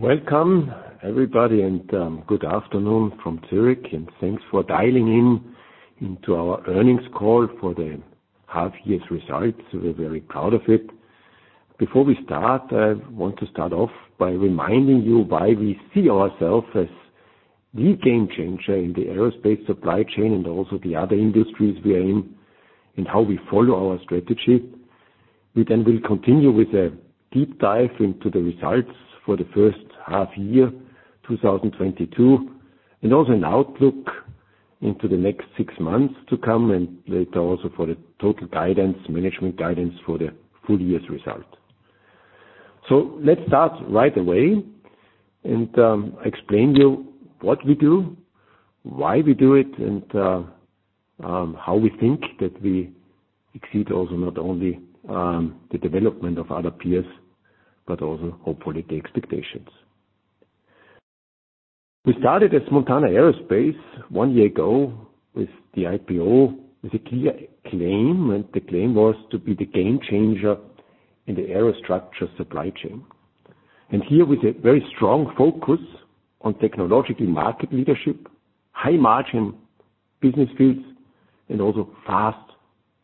Welcome everybody, and good afternoon from Zurich, and thanks for dialing in into our earnings call for the half year's results. We're very proud of it. Before we start, I want to start off by reminding you why we see ourselves as the game changer in the aerospace supply chain and also the other industries we are in, and how we follow our strategy. We then will continue with a deep dive into the results for the first half year, 2022, and also an outlook into the next six months to come, and later also for the total guidance, management guidance for the full year's result. Let's start right away and explain to you what we do, why we do it, and how we think that we exceed also not only the development of other peers, but also hopefully the expectations. We started as Montana Aerospace one year ago with the IPO, with a clear claim, and the claim was to be the game changer in the Aerostructures supply chain. Here with a very strong focus on technological market leadership, high margin business fields, and also fast,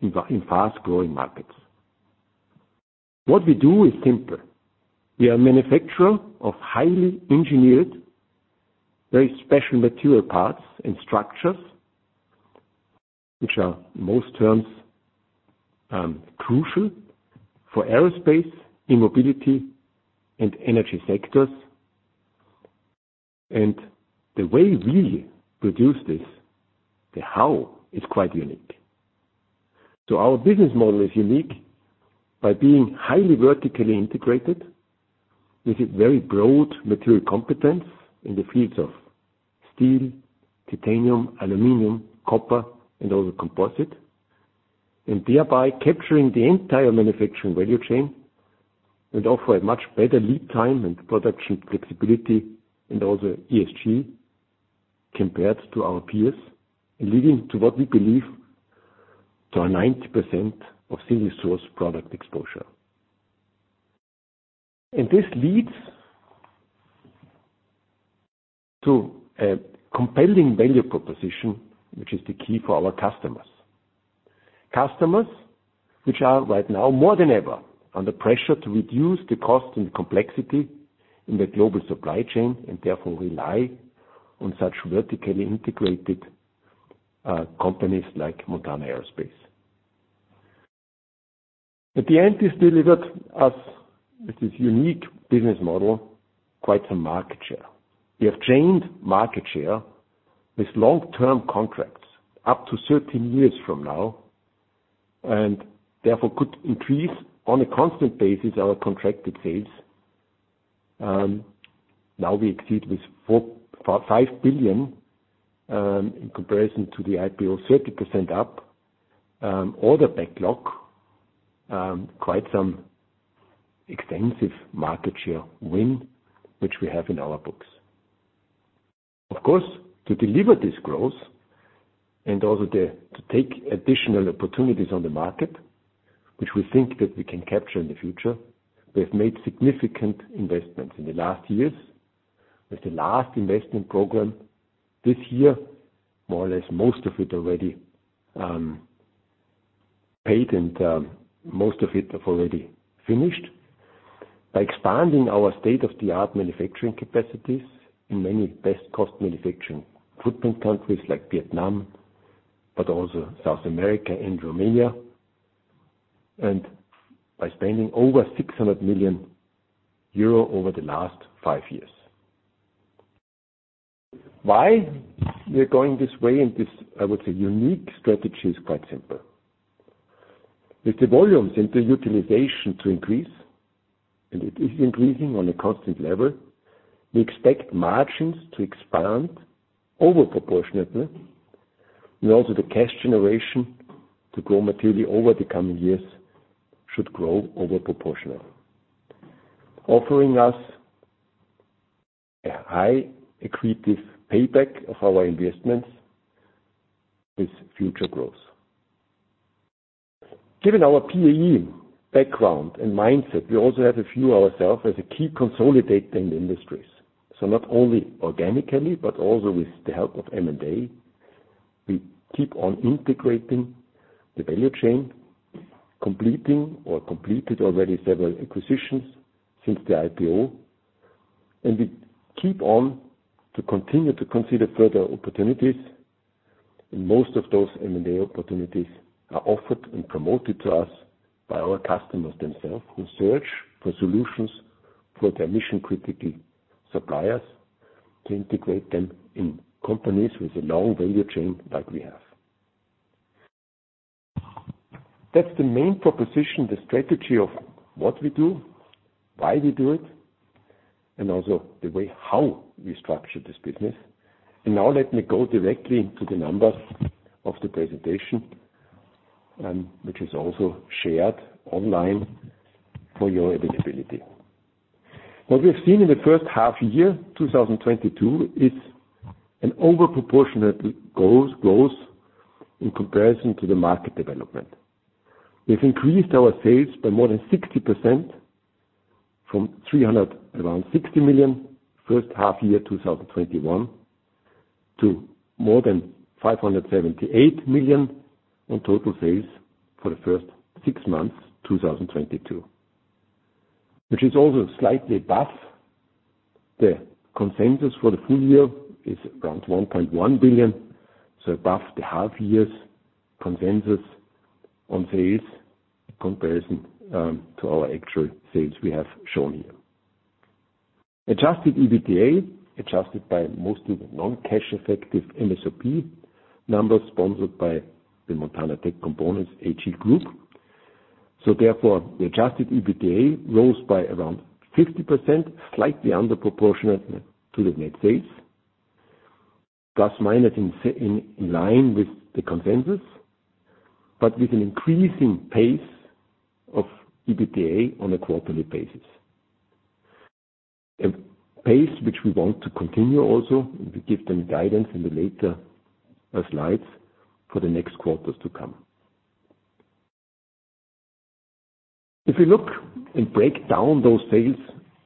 in fast growing markets. What we do is simple. We are a manufacturer of highly engineered, very special material parts and structures, which are most terms, crucial for aerospace, e-mobility, and energy sectors. The way we produce this, the how, is quite unique. Our business model is unique by being highly vertically integrated with a very broad material competence in the fields of steel, titanium, aluminum, copper, and also composite. Thereby capturing the entire manufacturing value chain and offer a much better lead time and production flexibility and also ESG, compared to our peers. Leading to what we believe to a 90% of single source product exposure. This leads to a compelling value proposition, which is the key for our customers. Customers which are right now more than ever under pressure to reduce the cost and complexity in the global supply chain, and therefore rely on such vertically integrated companies like Montana Aerospace. At the end, this delivered us with this unique business model, quite some market share. We have gained market share with long-term contracts up to 13 years from now, and therefore could increase on a constant basis our contracted sales. Now we exceed with 5 billion, in comparison to the IPO, 30% up, order backlog, quite some extensive market share win, which we have in our books. Of course, to deliver this growth and also to take additional opportunities on the market, which we think that we can capture in the future, we have made significant investments in the last years. With the last investment program this year, more or less most of it already paid and most of it have already finished. By expanding our state-of-the-art manufacturing capacities in many best cost manufacturing footprint countries like Vietnam, but also South America and Romania. By spending over 600 million euro over the last five years. Why we are going this way in this, I would say, unique strategy is quite simple. With the volumes and the utilization to increase, and it is increasing on a constant level, we expect margins to expand over proportionately, and also the cash generation to grow materially over the coming years, should grow over proportionately. Offering us a high accretive payback of our investments with future growth. Given our PE background and mindset, we also have a view of ourselves as a key consolidator in the industries. Not only organically, but also with the help of M&A, we keep on integrating the value chain, completing or completed already several acquisitions since the IPO, and we keep on to continue to consider further opportunities. Most of those M&A opportunities are offered and promoted to us by our customers themselves, who search for solutions for their mission-critical suppliers to integrate them in companies with a long value chain like we have. That's the main proposition, the strategy of what we do, why we do it, and also the way how we structure this business. Now let me go directly to the numbers of the presentation, which is also shared online for your availability. What we've seen in the first half year, 2022, is an over proportionate growth in comparison to the market development. We've increased our sales by more than 60% from around 360 million first half year 2021, to more than 578 million in total sales for the first six months, 2022. Which is also slightly above the consensus for the full year, is around 1.1 billion, so above the half-year's consensus on sales comparison, to our actual sales we have shown here. Adjusted EBITDA, adjusted by mostly non-cash effective MSOP numbers sponsored by the Montana Tech Components Group. Therefore, the adjusted EBITDA rose by around 50%, slightly under proportionate to the net sales, plus minus in line with the consensus, but with an increasing pace of EBITDA on a quarterly basis. A pace which we want to continue also, and we give them guidance in the later slides for the next quarters to come. If you look and break down those sales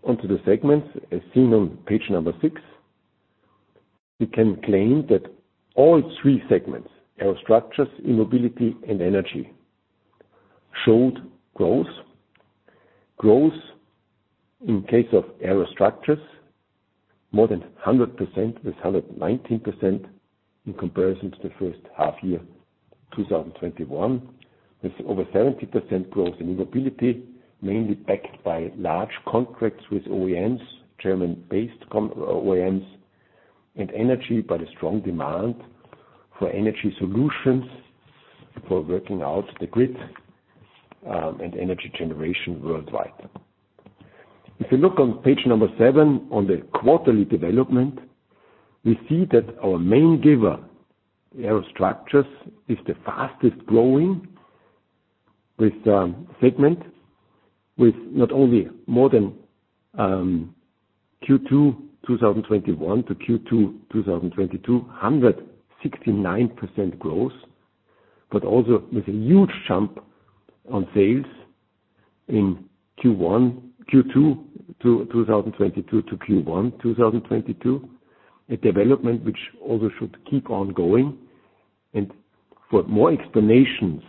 onto the segments, as seen on page six, we can claim that all three segments, Aerostructures, E-mobility, and Energy, showed growth. Growth in case of Aerostructures, more than 100%, with 119% in comparison to the first half year, 2021. With over 70% growth in E-mobility, mainly backed by large contracts with OEMs, German-based OEMs. Energy, by the strong demand for energy solutions for working out the grid, and energy generation worldwide. If you look on page seven, on the quarterly development, we see that our main driver, the Aerostructures, is the fastest growing within the segment, with not only more than Q2 2021 to Q2 2022 169% growth, but also with a huge jump in sales in Q2 2022 to Q1 2022. A development which also should keep on going. For more explanations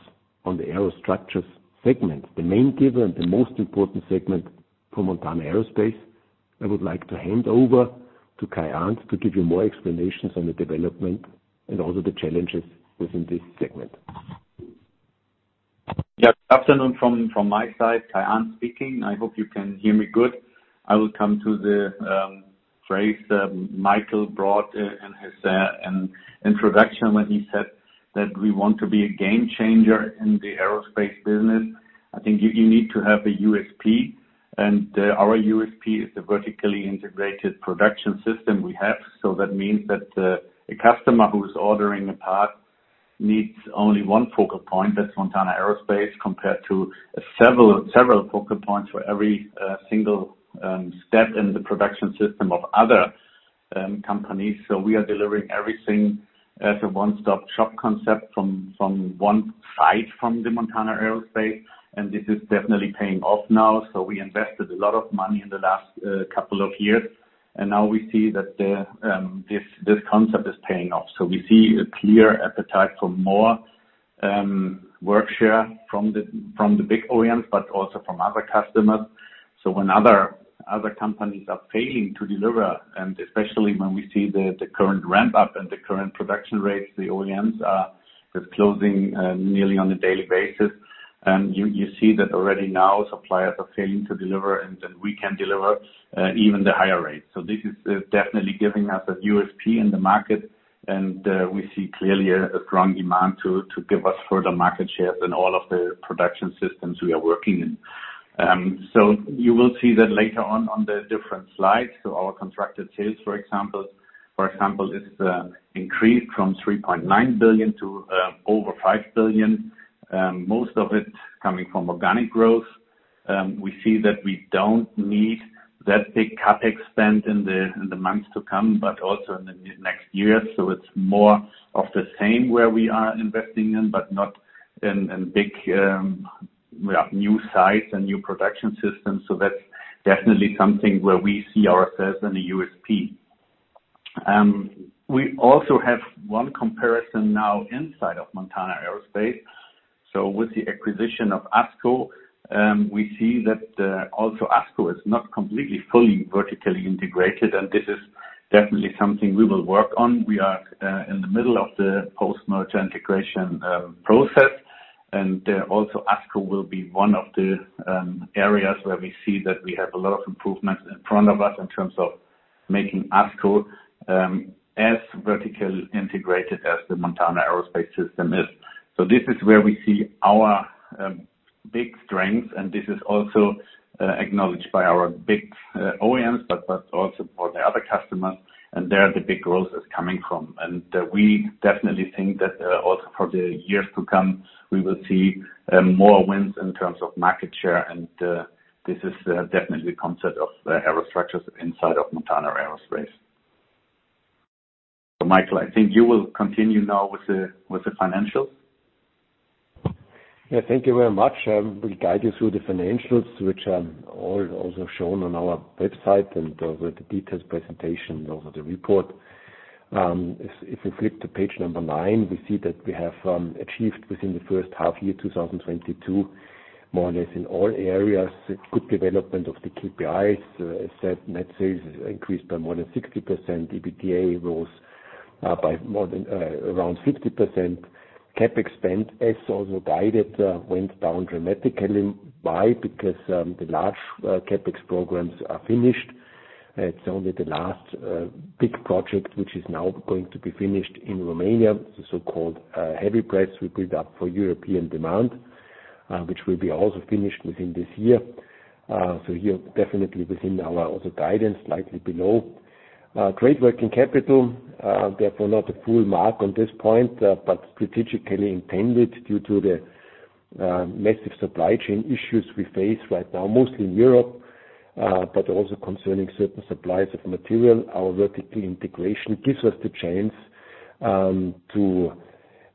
on the Aerostructures segment, the main driver and the most important segment for Montana Aerospace, I would like to hand over to Kai Arndt to give you more explanations on the development and also the challenges within this segment. Yes. Afternoon from my side, Kai Arndt speaking. I hope you can hear me good. I will come to the phrase that Michael brought in his introduction when he said that we want to be a game changer in the aerospace business. I think you need to have a USP, and our USP is the vertically integrated production system we have. That means that a customer who's ordering a part needs only one focal point, that's Montana Aerospace, compared to several focal points for every single step in the production system of other companies. We are delivering everything as a one-stop-shop concept from one side from Montana Aerospace, and this is definitely paying off now. We invested a lot of money in the last couple of years, and now we see that this concept is paying off. We see a clear appetite for more work share from the big OEMs, but also from other customers. When other companies are failing to deliver, and especially when we see the current ramp up and the current production rates, the OEMs are closing nearly on a daily basis. You see that already now suppliers are failing to deliver, and then we can deliver even the higher rates. This is definitely giving us a USP in the market, and we see clearly a strong demand to give us further market shares in all of the production systems we are working in. You will see that later on the different slides. Our contracted sales, for example, is increased from 3.9 billion to over 5 billion, most of it coming from organic growth. We see that we don't need that big CapEx spend in the months to come, but also in the next year. It's more of the same where we are investing in, but not in big, well, new sites and new production systems. That's definitely something where we see ourselves in a USP. We also have one comparison now inside of Montana Aerospace. With the acquisition of ASCO, we see that also ASCO is not completely, fully vertically integrated, and this is definitely something we will work on. We are in the middle of the post-merger integration process. Also ASCO will be one of the areas where we see that we have a lot of improvements in front of us in terms of making ASCO as vertically integrated as the Montana Aerospace system is. This is where we see our big strengths, and this is also acknowledged by our big OEMs, but also for the other customers, and there the big growth is coming from. We definitely think that also for the years to come, we will see more wins in terms of market share and this is definitely the concept of the Aerostructures inside of Montana Aerospace. Michael, I think you will continue now with the financials. Yeah, thank you very much. We'll guide you through the financials, which are all also shown on our website and with the details presentation and also the report. If we flip to page number nine, we see that we have achieved within the first half year, 2022, more or less in all areas, a good development of the KPIs. As said, net sales increased by more than 60%. EBITDA rose by more than around 50%. CapEx spend, as also guided, went down dramatically. Why? Because the large CapEx programs are finished. It's only the last big project, which is now going to be finished in Romania, the so-called heavy press we build up for European demand, which will be also finished within this year. Here, definitely within our also guidance, slightly below. Trade working capital, therefore not a full mark on this point, but strategically intended due to the massive supply chain issues we face right now, mostly in Europe, but also concerning certain supplies of material. Our vertical integration gives us the chance to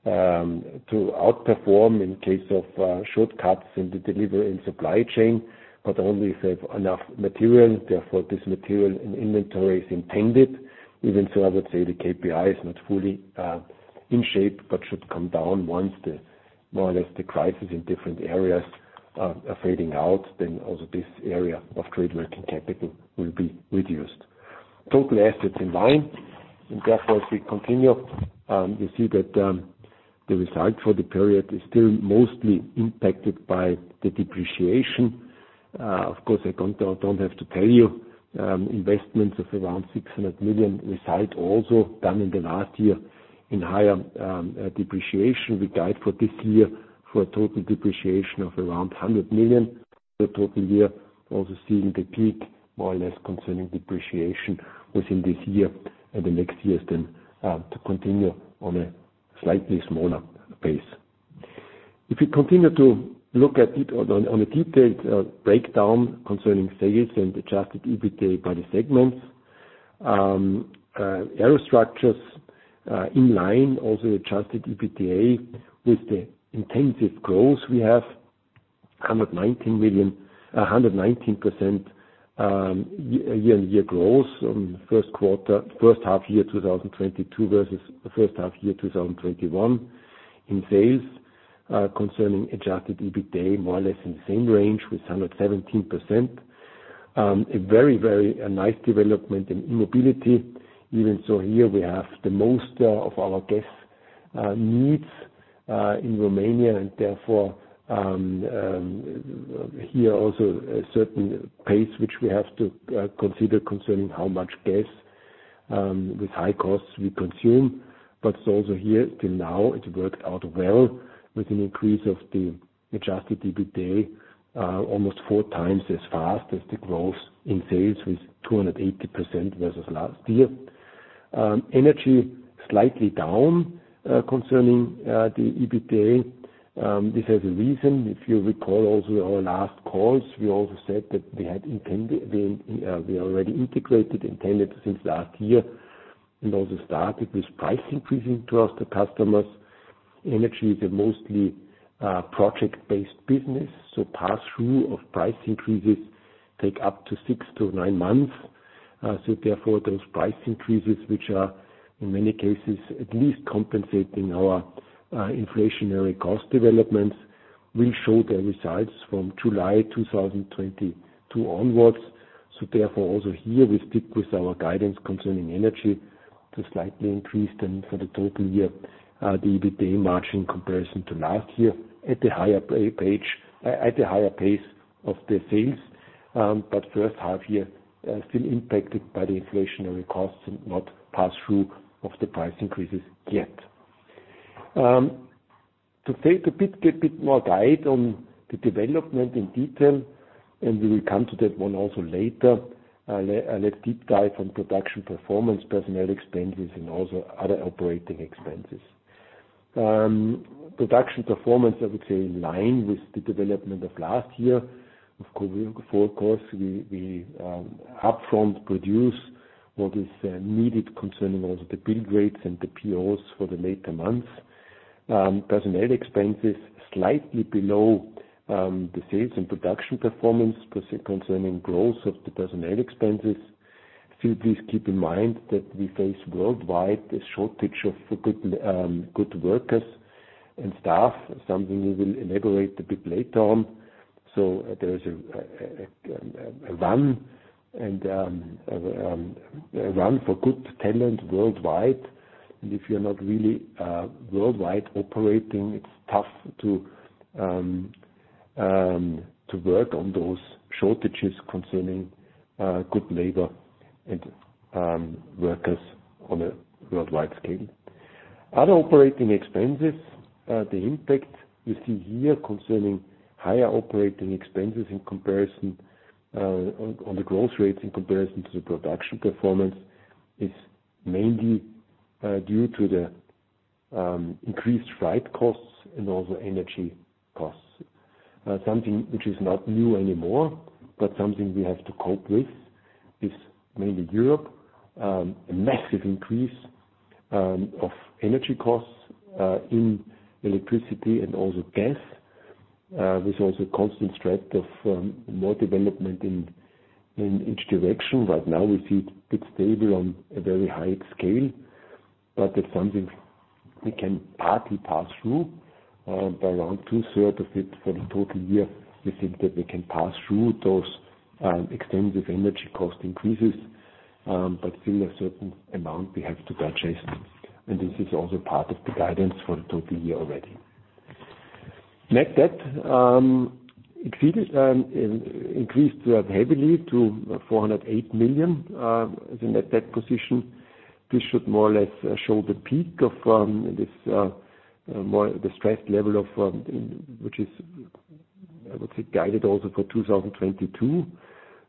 outperform in case of shortcuts in the delivery and supply chain, but only if they have enough material. Therefore, this material and inventory is intended. Even so, I would say the KPI is not fully in shape, but should come down once, more or less, the crisis in different areas are fading out, then also this area of trade working capital will be reduced. Total assets in line, therefore, as we continue, we see that the result for the period is still mostly impacted by the depreciation. Of course, I don't have to tell you, investments of around 600 million resulted in higher depreciation done in the last year. We guide for this year for a total depreciation of around 100 million. Total year, also seeing the peak, more or less, concerning depreciation within this year and the next years then, to continue on a slightly smaller pace. If you continue to look at the one, on a detailed breakdown concerning sales and adjusted EBITDA by the segments, Aerostructures, in line also adjusted EBITDA with the intensive growth we have, 119 million, 119% year-on-year growth from first half year 2022 versus the first half year 2021 in sales. Concerning adjusted EBITDA, more or less in the same range with 117%. A very nice development in mobility. Even so here we have the most of our gas needs in Romania and therefore here also a certain pace which we have to consider concerning how much gas with high costs we consume. Also here till now, it worked out well with an increase of the adjusted EBITDA, almost 4x as fast as the growth in sales with 280% versus last year. Energy slightly down concerning the EBITDA. This has a reason. If you recall also our last calls, we also said that we already integrated. Intended since last year and also started with price increases towards the customers. Energy is a mostly project-based business, so pass-through of price increases take up to six to nine months. Therefore, those price increases, which are in many cases at least compensating our inflationary cost developments, will show their results from July 2022 onwards. Therefore, also here we stick with our guidance concerning energy to slightly increase them for the total year, the EBITDA margin in comparison to last year at the higher pace of the sales. First half year still impacted by the inflationary costs and not pass-through of the price increases yet. To give a bit more guidance on the development in detail, and we will come to that one also later. Let's deep dive on production performance, personnel expenses, and also other operating expenses. Production performance, I would say, in line with the development of last year. Of course, we upfront produce what is needed concerning also the build rates and the POs for the later months. Personnel expenses slightly below the sales and production performance concerning growth of the personnel expenses. Please keep in mind that we face worldwide a shortage of good workers and staff, something we will elaborate a bit later on. There is a run for good talent worldwide. If you're not really worldwide operating, it's tough to work on those shortages concerning good labor and workers on a worldwide scale. Other operating expenses, the impact you see here concerning higher operating expenses in comparison on the growth rates in comparison to the production performance is mainly due to the increased freight costs and also energy costs. Something which is not new anymore, but something we have to cope with is mainly Europe, a massive increase of energy costs in electricity and also gas. There's also constant threat of more development in each direction. Right now we see it stable on a very high scale, but it's something we can partly pass through by around two-thirds of it for the total year. We think that we can pass through those extensive energy cost increases, but still a certain amount we have to purchase. This is also part of the guidance for the total year already. Net debt increased heavily to 408 million as a net debt position. This should more or less show the peak of the stress level, which is, I would say, guided also for 2022.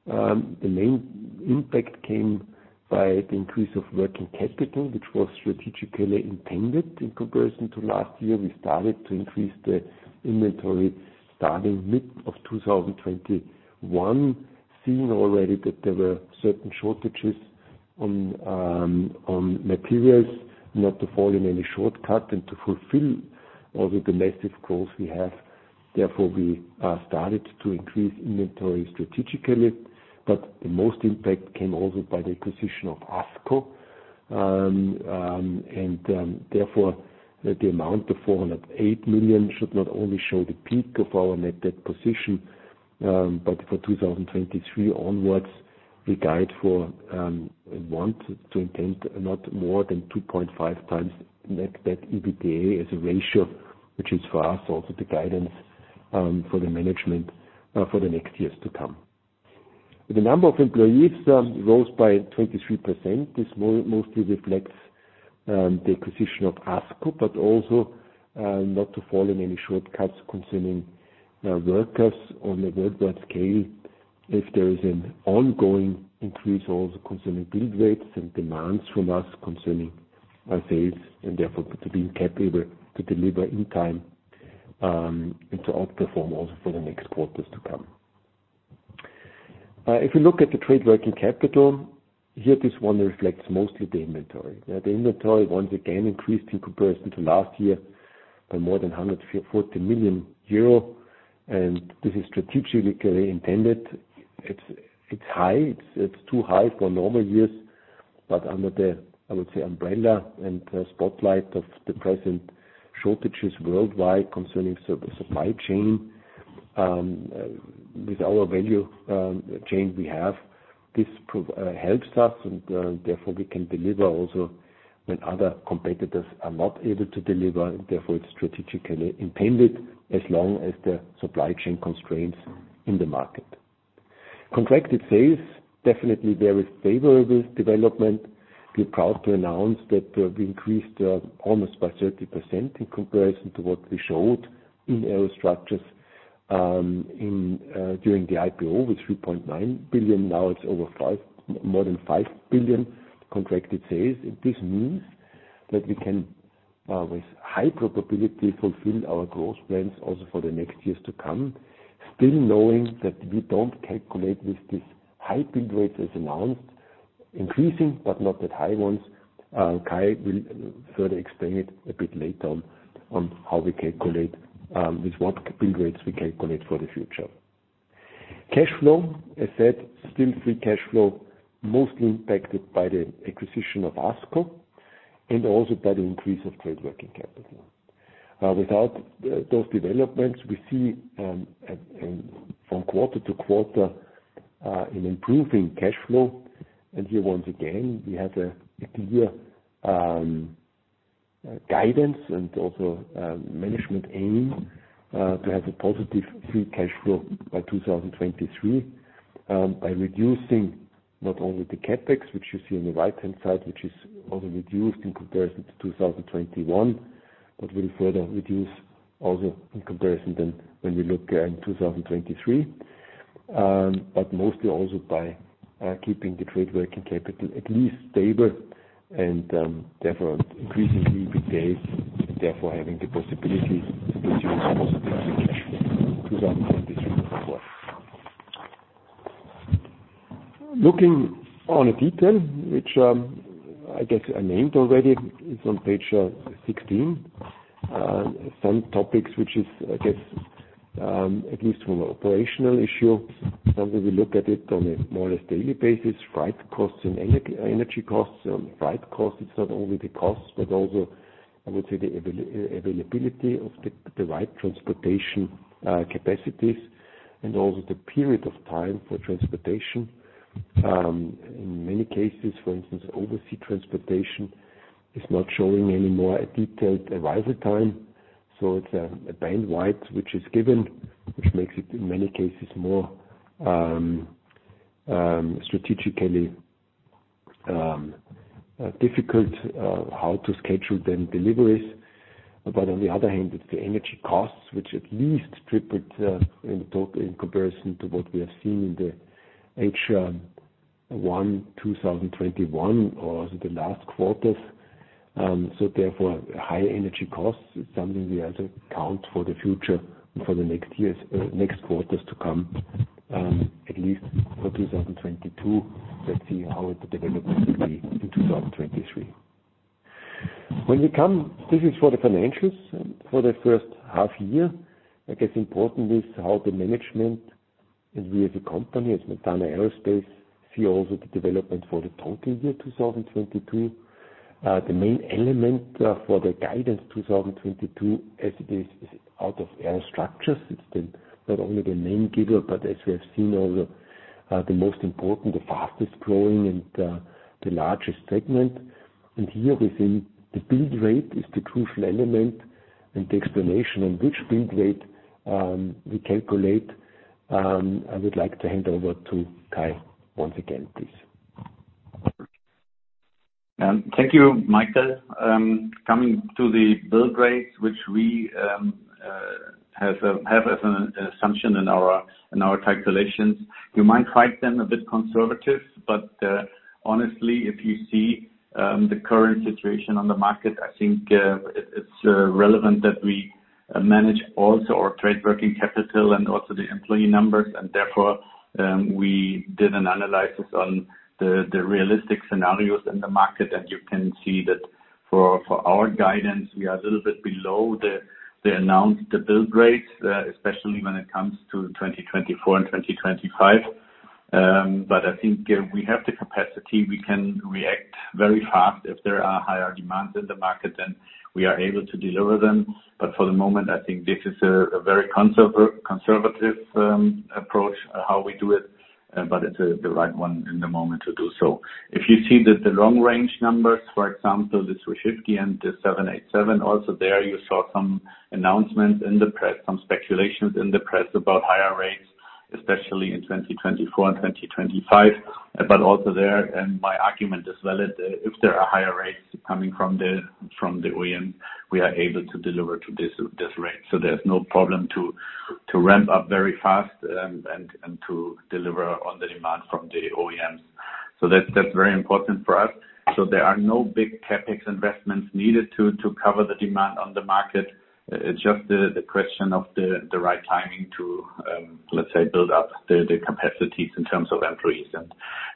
The main impact came by the increase of working capital, which was strategically intended in comparison to last year. We started to increase the inventory starting mid of 2021, seeing already that there were certain shortages on materials not to fall in any shortcut and to fulfill all the massive growth we have. Therefore, we started to increase inventory strategically, but the most impact came also by the acquisition of ASCO. Therefore, the amount of 408 million should not only show the peak of our net debt position, but for 2023 onwards, we guide for and want to intend not more than 2.5x net debt EBITDA as a ratio, which is for us also the guidance for the management for the next years to come. The number of employees rose by 23%. This mostly reflects the acquisition of ASCO, but also not to fall in any shortcuts concerning workers on a worldwide scale. If there is an ongoing increase also concerning build rates and demands from us concerning our sales, and therefore to be capable to deliver in time and to outperform also for the next quarters to come. If you look at the trade working capital, here this one reflects mostly the inventory. Now, the inventory, once again, increased in comparison to last year by more than 140 million euro, and this is strategically intended. It's high. It's too high for normal years. Under the, I would say, umbrella and spotlight of the present shortages worldwide concerning supply chain, with our value chain we have, this helps us and, therefore, we can deliver also when other competitors are not able to deliver, and therefore it's strategically intended as long as there are supply chain constraints in the market. Contracted sales, definitely very favorable development. We're proud to announce that, we increased almost by 30% in comparison to what we showed in Aerostructures during the IPO with 3.9 billion. Now it's more than 5 billion contracted sales. This means that we can with high probability fulfill our growth plans also for the next years to come, still knowing that we don't calculate with these high build rates as announced. Increasing, but not that high ones. Kai will further explain it a bit later on how we calculate with what build rates we calculate for the future. Cash flow, as said, still free cash flow, mostly impacted by the acquisition of ASCO and also by the increase of trade working capital. Without those developments, we see a from quarter to quarter an improving cash flow. Here once again, we have a clear guidance and also management aim to have a positive free cash flow by 2023, by reducing not only the CapEx, which you see on the right-hand side, which is also reduced in comparison to 2021, but will further reduce also in comparison to when we look in 2023. Mostly also by keeping the trade working capital at least stable and therefore increasingly fewer days, therefore having the possibility to achieve a positive free cash flow 2023 as well. Looking on a detail which, I guess I named already, is on page 16. Some topics which is, I guess, at least from an operational issue, something we look at it on a more or less daily basis, freight costs and energy costs. Freight costs, it's not only the costs, but also, I would say the availability of the right transportation capacities and also the period of time for transportation. In many cases, for instance, overseas transportation is not showing anymore a detailed arrival time, so it's a bandwidth which is given, which makes it in many cases more strategically difficult how to schedule then deliveries. On the other hand, it's the energy costs, which at least tripled in total in comparison to what we have seen in the H1 2021 or the last quarters. Therefore higher energy costs is something we have to count for the future, for the next years, next quarters to come, at least for 2022. Let's see how it develops maybe in 2023. When we come, this is for the financials for the first half year. I guess important is how the management and we as a company, as Montana Aerospace, see also the development for the total year 2022. The main element for the guidance 2022 as it is out of Aerostructures. It's the, not only the main giver, but as we have seen also, the most important, the fastest-growing and, the largest segment. Here within the build rate is the crucial element and the explanation on which build rate we calculate. I would like to hand over to Kai once again, please. Thank you, Michael. Coming to the build rates, which we have as an assumption in our calculations. You might find them a bit conservative, but honestly, if you see the current situation on the market, I think it's relevant that we manage also our trade working capital and also the employee numbers. Therefore, we did an analysis on the realistic scenarios in the market. You can see that for our guidance, we are a little bit below the announced build rates, especially when it comes to 2024 and 2025. I think we have the capacity, we can react very fast. If there are higher demands in the market, then we are able to deliver them. For the moment, I think this is a very conservative approach how we do it, but it's the right one in the moment to do so. If you see that the long-range numbers, for example, the A350 and the 787, also there you saw some announcements in the press, some speculations in the press about higher rates, especially in 2024 and 2025. Also there my argument is valid, if there are higher rates coming from the OEM, we are able to deliver to this rate. There's no problem to ramp up very fast and to deliver on the demand from the OEMs. That's very important for us. There are no big CapEx investments needed to cover the demand on the market. It's just the question of the right timing to, let's say, build up the capacities in terms of employees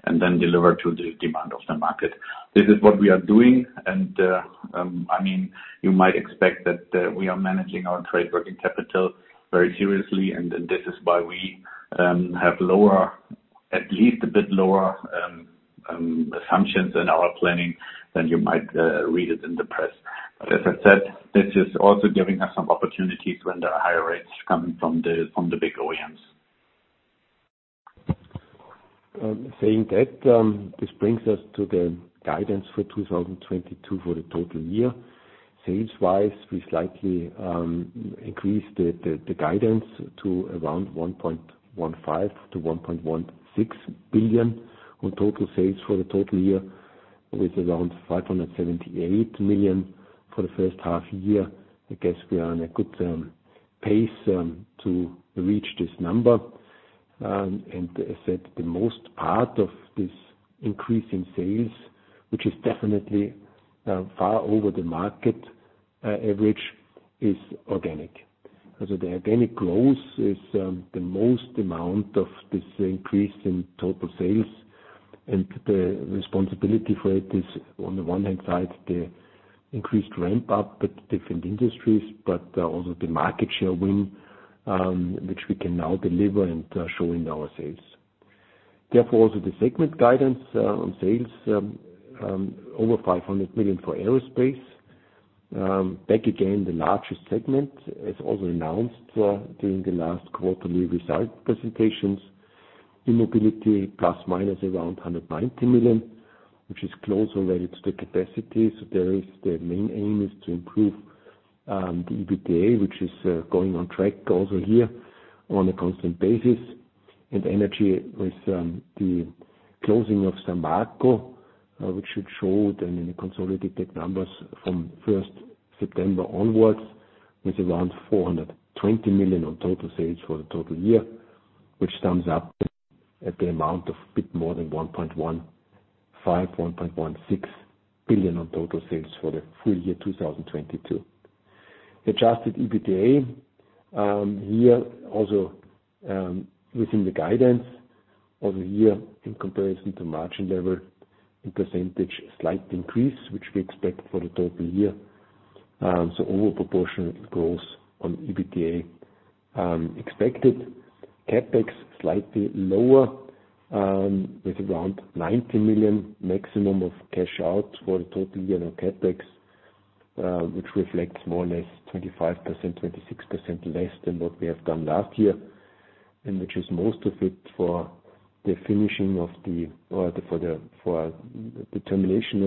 and then deliver to the demand of the market. This is what we are doing. I mean, you might expect that we are managing our trade working capital very seriously, and this is why we have lower, at least a bit lower, assumptions in our planning than you might read it in the press. As I said, this is also giving us some opportunities when there are higher rates coming from the big OEMs. Saying that, this brings us to the guidance for 2022 for the total year. Sales wise, we slightly increased the guidance to around 1.15 billion-1.16 billion on total sales for the total year, with around 578 million for the first half year. I guess we are on a good pace to reach this number. As I said, the most part of this increase in sales, which is definitely far over the market average, is organic. The organic growth is the most amount of this increase in total sales. The responsibility for it is on the one hand side, the increased ramp up at different industries, but also the market share win, which we can now deliver and show in our sales. Therefore, also the segment guidance on sales over 500 million for aerospace. Back again, the largest segment, as also announced during the last quarterly result presentations. E-mobility, plus/minus around 190 million, which is close already to the capacity. The main aim is to improve the EBITDA, which is going on track also here on a constant basis. Energy with the closing of São Marco, which should show then in the consolidated numbers from 1st September onwards, with around 420 million on total sales for the total year, which sums up at the amount of a bit more than 1.15 billion, 1.16 billion on total sales for the full year 2022. The adjusted EBITDA here also within the guidance of the year in comparison to March and April in percentage, slight increase, which we expect for the total year. Disproportionate growth on EBITDA expected. CapEx slightly lower with around 90 million maximum of cash out for the total annual CapEx, which reflects more or less 25%-26% less than what we have done last year. Which is most of it for the finishing or for the termination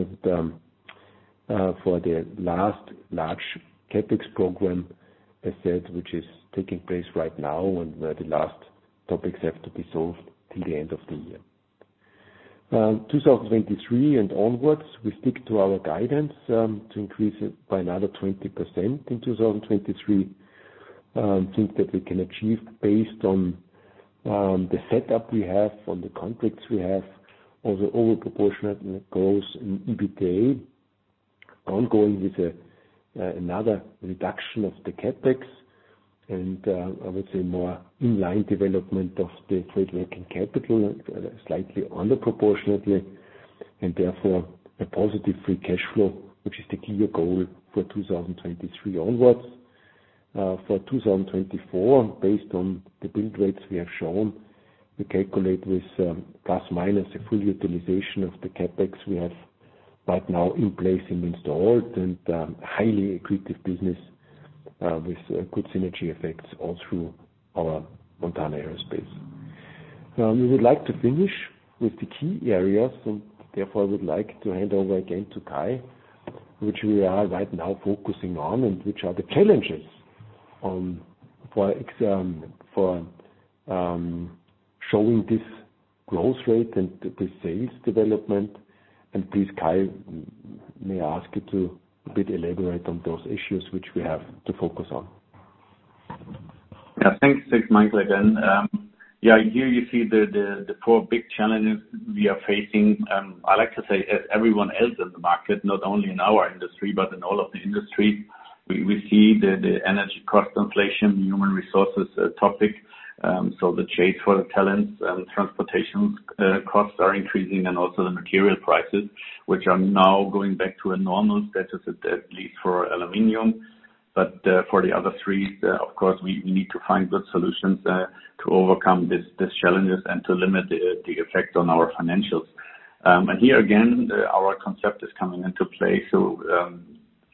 of the last large CapEx program asset, which is taking place right now and where the last topics have to be solved till the end of the year. 2023 and onwards, we stick to our guidance to increase it by another 20% in 2023. Things that we can achieve based on the setup we have, on the contracts we have. Also over proportionate growth in EBITDA. Ongoing with another reduction of the CapEx and I would say more in line development of the trade working capital, slightly under proportionately, and therefore a positive free cash flow, which is the key goal for 2023 onwards. For 2024, based on the build rates we have shown, we calculate with ± the full utilization of the CapEx we have right now in place, in installed and highly accretive business with good synergy effects all through our Montana Aerospace. We would like to finish with the key areas, and therefore I would like to hand over again to Kai, which we are right now focusing on, and which are the challenges, for showing this growth rate and the sales development. Please, Kai, may I ask you to a bit elaborate on those issues which we have to focus on? Yeah, thanks. Thanks, Michael, again. Yeah, here you see the four big challenges we are facing. I like to say as everyone else in the market, not only in our industry, but in all of the industry. We see the energy cost inflation, human resources topic. The chase for talents and transportation costs are increasing and also the material prices, which are now going back to a normal status, at least for aluminum. For the other three, of course, we need to find good solutions to overcome these challenges and to limit the effects on our financials. Here again, our concept is coming into play.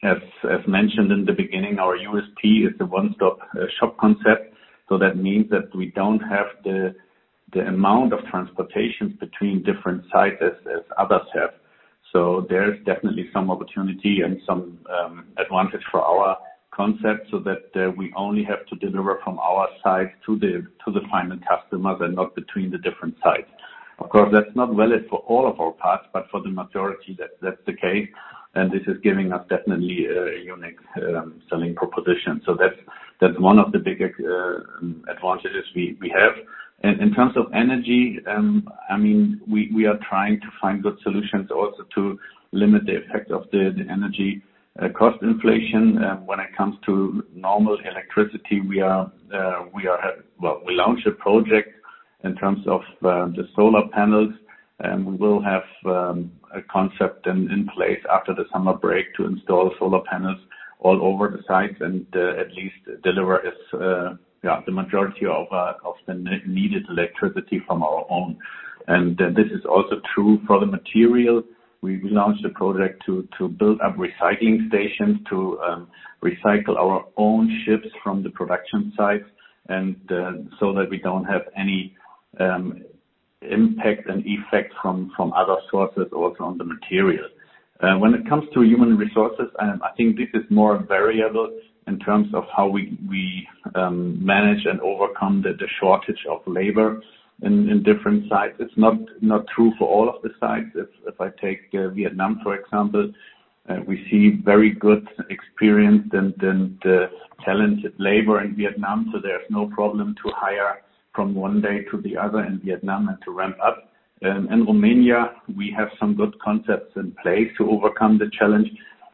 As mentioned in the beginning, our USP is the one-stop shop concept. That means that we don't have the amount of transportation between different sites as others have. There's definitely some opportunity and some advantage for our concept, so that we only have to deliver from our site to the final customers and not between the different sites. Of course, that's not valid for all of our parts, but for the majority, that's the case. This is giving us definitely a unique selling proposition. That's one of the big advantages we have. In terms of energy, I mean, we are trying to find good solutions also to limit the effect of the energy cost inflation. When it comes to normal electricity, we have... Well, we launched a project in terms of the solar panels, and we will have a concept in place after the summer break to install solar panels all over the site and at least deliver the majority of the needed electricity from our own. This is also true for the material. We've launched a project to build up recycling stations to recycle our own ships from the production sites and so that we don't have any impact and effect from other sources also on the material. When it comes to human resources, I think this is more variable in terms of how we manage and overcome the shortage of labor in different sites. It's not true for all of the sites. If I take Vietnam, for example, we see very good experience and talented labor in Vietnam, so there's no problem to hire from one day to the other in Vietnam and to ramp up. In Romania, we have some good concepts in place to overcome the challenge,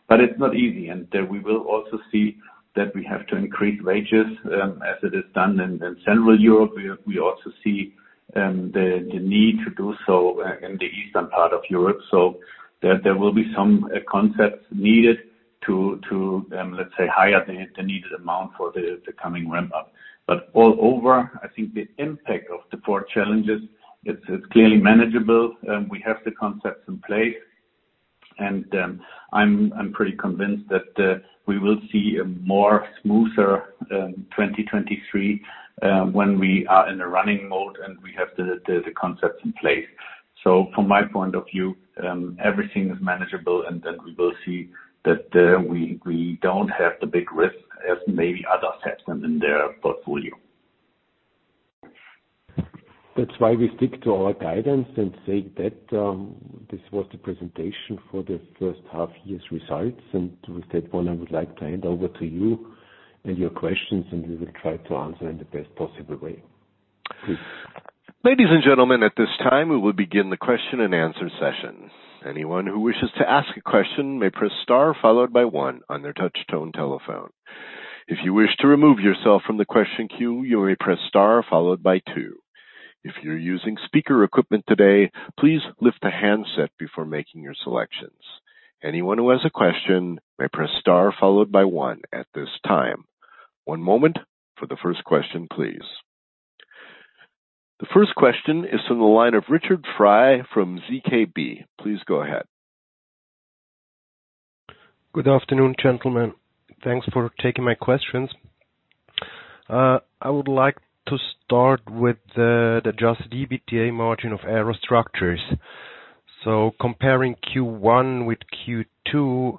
but it's not easy. We will also see that we have to increase wages as it is done in Central Europe. We also see the need to do so in the eastern part of Europe. There will be some concepts needed to, let's say, hire the needed amount for the coming ramp up. Overall, I think the impact of the four challenges is clearly manageable. We have the concepts in place, and I'm pretty convinced that we will see a more smoother 2023, when we are in a running mode and we have the concepts in place. From my point of view, everything is manageable, and then we will see that we don't have the big risk as maybe others have them in their portfolio. That's why we stick to our guidance and say that, this was the presentation for the first half year's results. With that one, I would like to hand over to you and your questions, and we will try to answer in the best possible way. Please. Ladies and gentlemen, at this time, we will begin the question-and-answer session. Anyone who wishes to ask a question may press star followed by one on their touch tone telephone. If you wish to remove yourself from the question queue, you may press star followed by two. If you're using speaker equipment today, please lift the handset before making your selections. Anyone who has a question may press star followed by one at this time. One moment for the first question, please. The first question is from the line of Richard Frei from ZKB. Please go ahead. Good afternoon, gentlemen. Thanks for taking my questions. I would like to start with the adjusted EBITDA margin of Aerostructures. Comparing Q1 with Q2,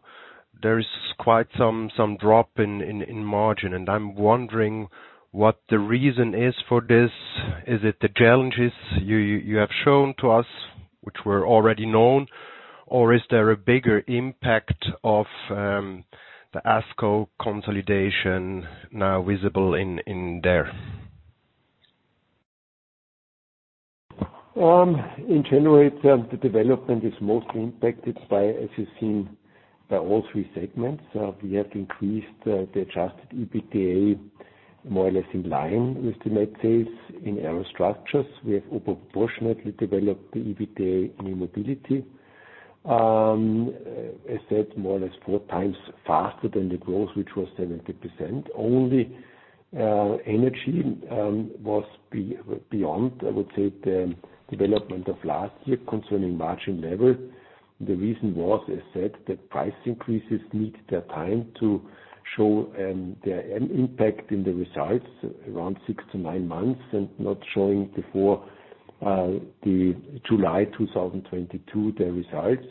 there is quite some drop in margin. I'm wondering what the reason is for this. Is it the challenges you have shown to us, which were already known, or is there a bigger impact of the ASCO consolidation now visible in there? In general, the development is mostly impacted by, as you've seen, by all three segments. We have increased the adjusted EBITDA more or less in line with the net sales. In Aerostructures, we have proportionately developed the EBITDA in mobility. I said more or less four times faster than the growth, which was 70%. Only energy was beyond, I would say, the development of last year concerning margin level. The reason was, I said that price increases need the time to show their impact in the results around six to nine months and not showing before July 2022, the results.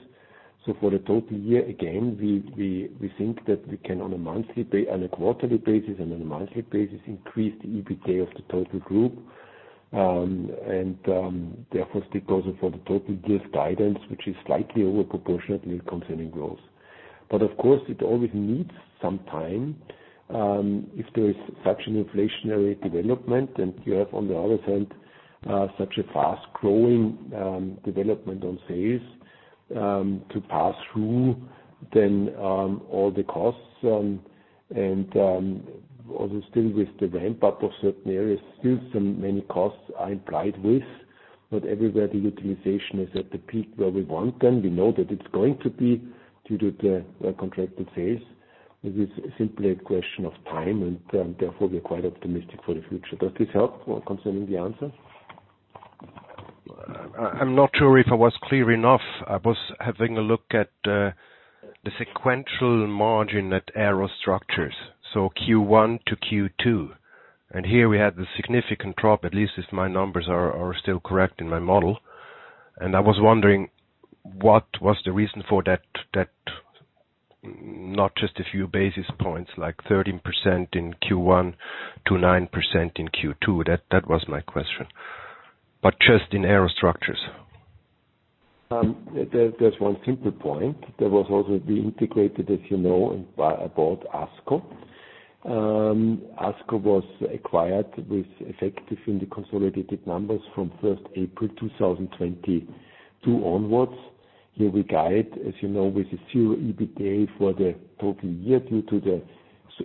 For the total year, again, we think that we can on a quarterly basis and on a monthly basis, increase the EBITDA of the total group. Therefore, it goes for the total given guidance, which is slightly overproportionate concerning growth. Of course, it always needs some time if there is such an inflationary development and you have, on the other hand, such a fast-growing development on sales to pass through then all the costs, and also still with the ramp-up of certain areas, still so many costs are implied with. Not everywhere the utilization is at the peak where we want them. We know that it's going to be due to the contracted sales. It is simply a question of time, therefore, we're quite optimistic for the future. Does this help or concerning the answer? I'm not sure if I was clear enough. I was having a look at the sequential margin at Aerostructures, so Q1 to Q2. Here we had the significant drop, at least if my numbers are still correct in my model. I was wondering what was the reason for that, not just a few basis points, like 13% in Q1 to 9% in Q2. That was my question. Just in Aerostructures. There's one simple point. There was also the integration, as you know, and acquisition of ASCO. ASCO was acquired effective in the consolidated numbers from 1st April, 2022 onwards. Here we guide, as you know, with zero EBITDA for the total year due to the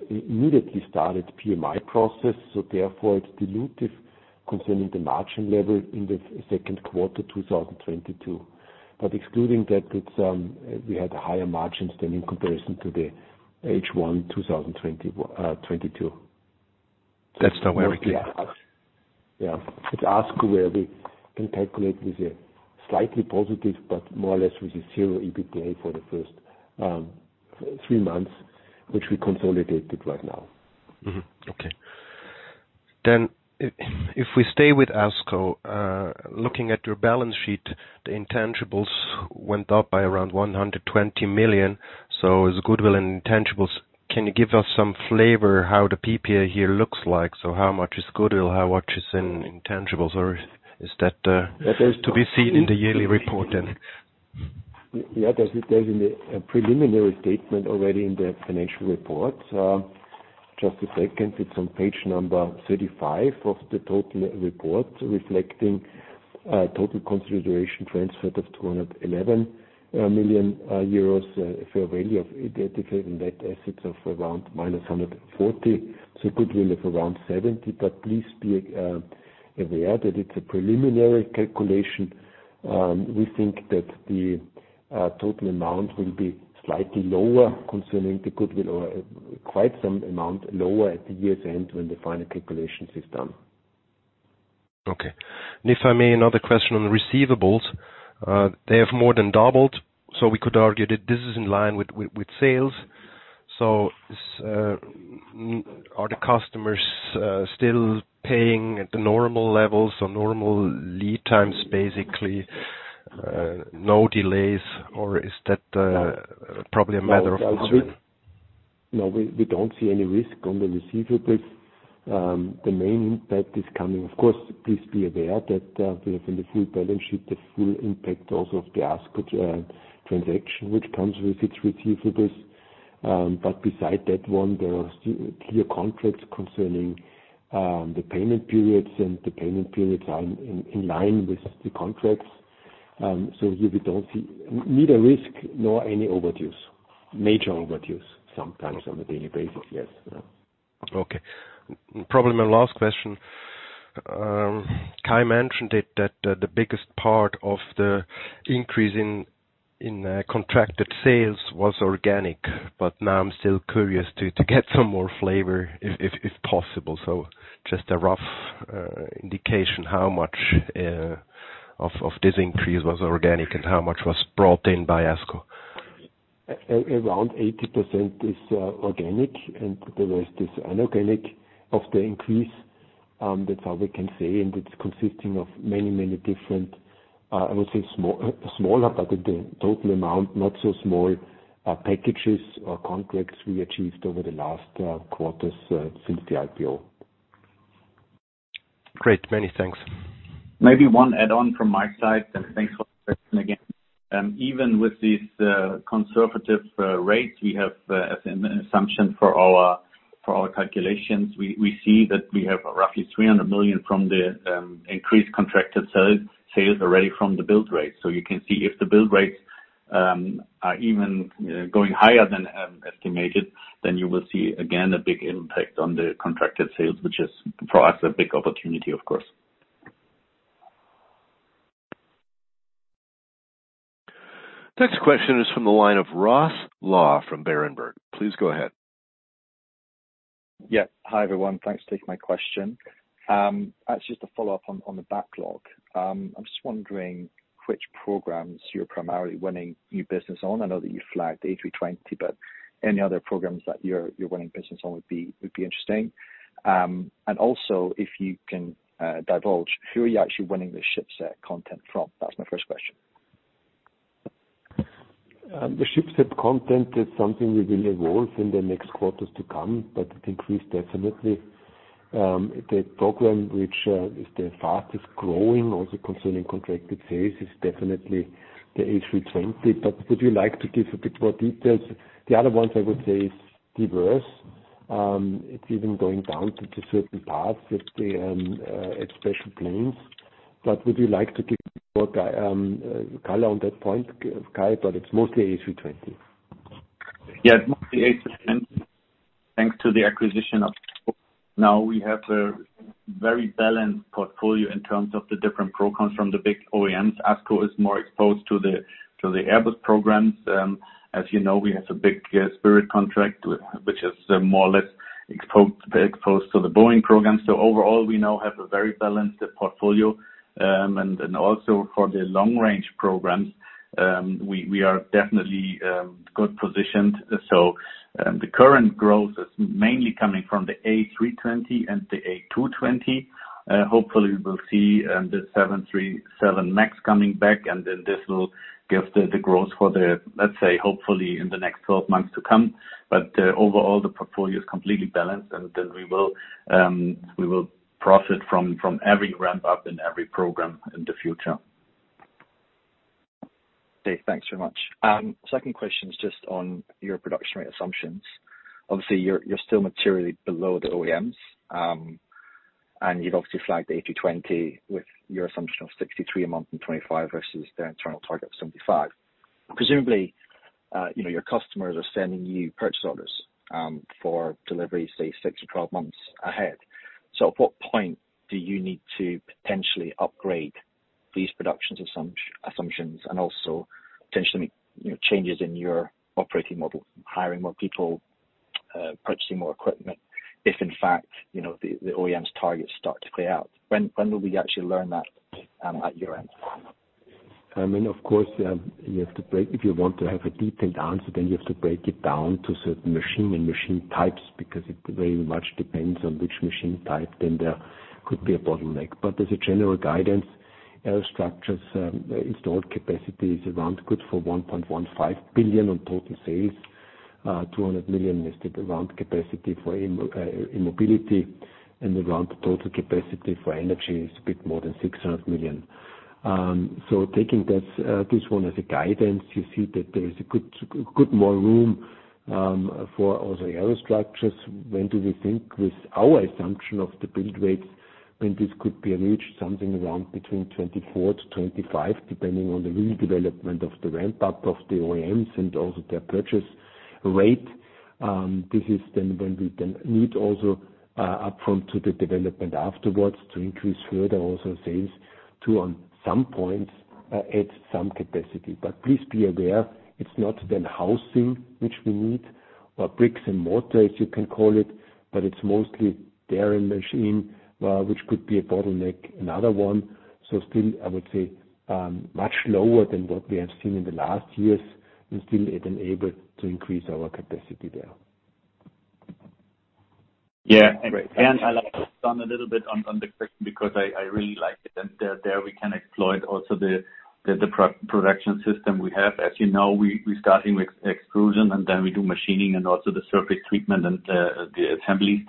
immediately started PMI process. Therefore, it's dilutive concerning the margin level in the second quarter 2022. Excluding that, we had higher margins than in comparison to the H1 2021. That's now where we clear. Yeah. With ASCO, where we can calculate with a slightly positive, but more or less with a zero EBITDA for the first three months, which we consolidated right now. If we stay with ASCO, looking at your balance sheet, the intangibles went up by around 120 million. As goodwill and intangibles, can you give us some flavor how the PPA here looks like? How much is goodwill? How much is in intangibles? Or is that to be seen in the yearly report then? Yeah. There's in a preliminary statement already in the financial report. Just a second, it's on page 35 of the total report, reflecting total consideration transfer of 211 million euros, fair value of integrated net assets of around -140 million. Goodwill of around 70 million. Please be aware that it's a preliminary calculation. We think that the total amount will be slightly lower concerning the goodwill or quite some amount lower at year's end when the final calculation is done. Okay. If I may, another question on the receivables. They have more than doubled. We could argue that this is in line with sales. Are the customers still paying at the normal levels or normal lead times, basically, no delays? Or is that probably a matter of time? No, we don't see any risk on the receivables. The main impact is coming. Of course, please be aware that we have in the full balance sheet, the full impact also of the ASCO transaction, which comes with its receivables. Beside that one, there are clear contracts concerning the payment periods, and the payment periods are in line with the contracts. Here we don't see neither risk nor any overdues. Major overdues. Sometimes on a daily basis, yes. Okay. Probably my last question. Kai mentioned it, that the biggest part of the increase in contracted sales was organic, but now I'm still curious to get some more flavor if possible. Just a rough indication, how much of this increase was organic and how much was brought in by ASCO? Around 80% is organic and the rest is inorganic of the increase. That's all we can say, and it's consisting of many, many different. I would say smaller, but the total amount not so small, packages or contracts we achieved over the last quarters since the IPO. Great. Many thanks. Maybe one add-on from my side, and thanks for the question again. Even with these conservative rates, we have, as an assumption for our calculations, we see that we have roughly 300 million from the increased contracted sales already from the build rates. You can see if the build rates are even, you know, going higher than estimated, then you will see again a big impact on the contracted sales, which is for us a big opportunity, of course. Next question is from the line of Ross Law from Berenberg. Please go ahead. Yeah. Hi, everyone. Thanks for taking my question. Actually just a follow-up on the backlog. I'm just wondering which programs you're primarily winning new business on. I know that you flagged A320, but any other programs that you're winning business on would be interesting. Also if you can divulge who are you actually winning the shipset content from? That's my first question. The shipset content is something we will evolve in the next quarters to come, but it increased definitely. The program which is the fastest growing also concerning contracted sales is definitely the A320. Would you like to give a bit more details? The other ones I would say is diverse. It's even going down to certain paths with the special planes. Would you like to give more color on that point, Kai? It's mostly A320. Yeah. It's mostly A320. Thanks to the acquisition of Now we have a very balanced portfolio in terms of the different programs from the big OEMs. ASCO is more exposed to the Airbus programs. As you know, we have a big Spirit contract which is more or less exposed to the Boeing program. Overall, we now have a very balanced portfolio, and also for the long range programs, we are definitely good positioned. The current growth is mainly coming from the A320 and the A220. Hopefully we will see the 737 MAX coming back, and then this will give the growth for the, let's say, hopefully in the next 12 months to come. Overall, the portfolio is completely balanced, and then we will profit from every ramp up in every program in the future. Okay. Thanks very much. Second question is just on your production rate assumptions. Obviously, you're still materially below the OEMs, and you've obviously flagged the A220 with your assumption of 63 a month and 25 versus the internal target of 75. Presumably, you know, your customers are sending you purchase orders for delivery, say, six to 12 months ahead. At what point do you need to potentially upgrade these production assumptions and also potentially, you know, changes in your operating model, hiring more people, purchasing more equipment, if in fact, you know, the OEMs targets start to play out? When will we actually learn that at your end? I mean, of course, if you want to have a detailed answer, then you have to break it down to certain machines and machine types because it very much depends on which machine type, then there could be a bottleneck. As a general guidance, Aerostructures installed capacity is around, good for 1.15 billion on total sales. 200 million limited around capacity for e-mobility and around total capacity for energy is a bit more than 600 million. Taking this one as a guidance, you see that there is a good deal more room for all the Aerostructures. When do we think with our assumption of the build rates, when this could be reached? Something around between 2024-2025, depending on the real development of the ramp up of the OEMs and also their purchase rate. This is then when we need also, upfront to the development afterwards to increase further also sales too on some points, add some capacity. Please be aware, it's not then housing which we need or bricks and mortar you can call it, but it's mostly machinery, which could be a bottleneck, another one. Still, I would say, much lower than what we have seen in the last years, and still it enabled to increase our capacity there. Yeah. I like to expand a little bit on the question because I really like it. There we can exploit also the proprietary production system we have. As you know, we starting with extrusion and then we do machining and also the surface treatment and the assembly.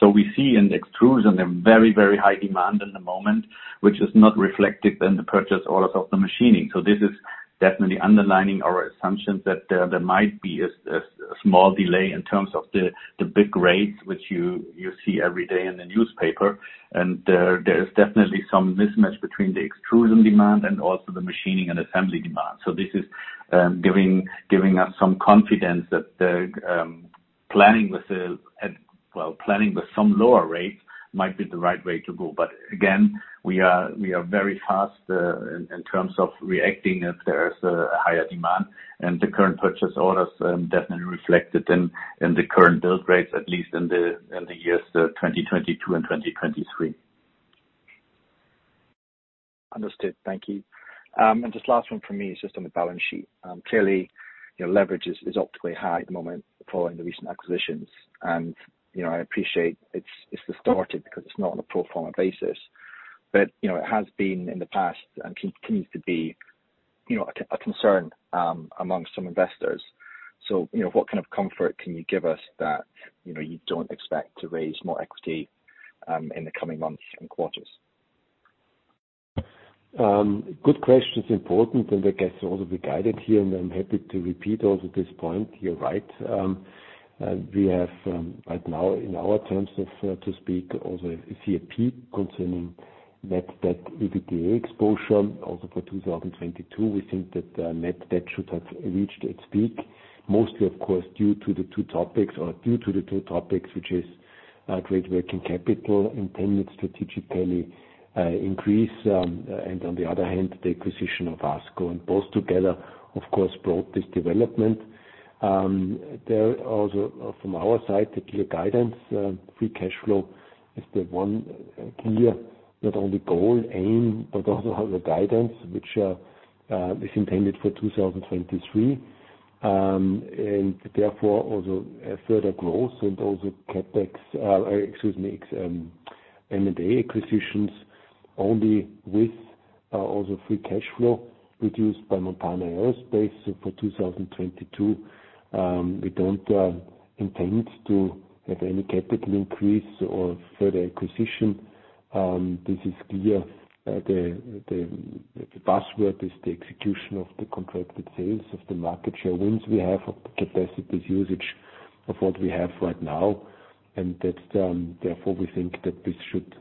So we see in the extrusion a very high demand in the moment, which is not reflected in the purchase orders of the machining. So this is definitely underlining our assumptions that there might be a small delay in terms of the build rates which you see every day in the newspaper. There is definitely some mismatch between the extrusion demand and also the machining and assembly demand. This is giving us some confidence that the planning with some lower rates might be the right way to go. Again, we are very fast in terms of reacting if there is a higher demand, and the current purchase orders definitely reflected in the current build rates, at least in the years 2022 and 2023. Understood. Thank you. Just last one for me is just on the balance sheet. Clearly, you know, leverage is optimally high at the moment following the recent acquisitions. You know, I appreciate it's distorted because it's not on a pro forma basis. You know, it has been in the past and continues to be, you know, a concern amongst some investors. You know, what kind of comfort can you give us that, you know, you don't expect to raise more equity in the coming months and quarters? Good question. It's important, and I guess also we guided here, and I'm happy to repeat also this point. You're right. We have right now in our terms as CFO concerning net debt EBITDA exposure also for 2022. We think that net debt should have reached its peak. Mostly, of course, due to the two topics, which is trade working capital, intended strategic CapEx increase, and on the other hand, the acquisition of ASCO. Both together, of course, brought this development. There also from our side, the clear guidance, free cash flow is the one clear not only goal, aim, but also has a guidance which is intended for 2023. Therefore also a further growth and also CapEx. Excuse me. M&A acquisitions only with also free cash flow reduced by Montana Aerospace. For 2022, we don't intend to have any capital increase or further acquisition. This is clear. The password is the execution of the contracted sales of the market share wins we have of the capacities usage of what we have right now. That's therefore we think that this should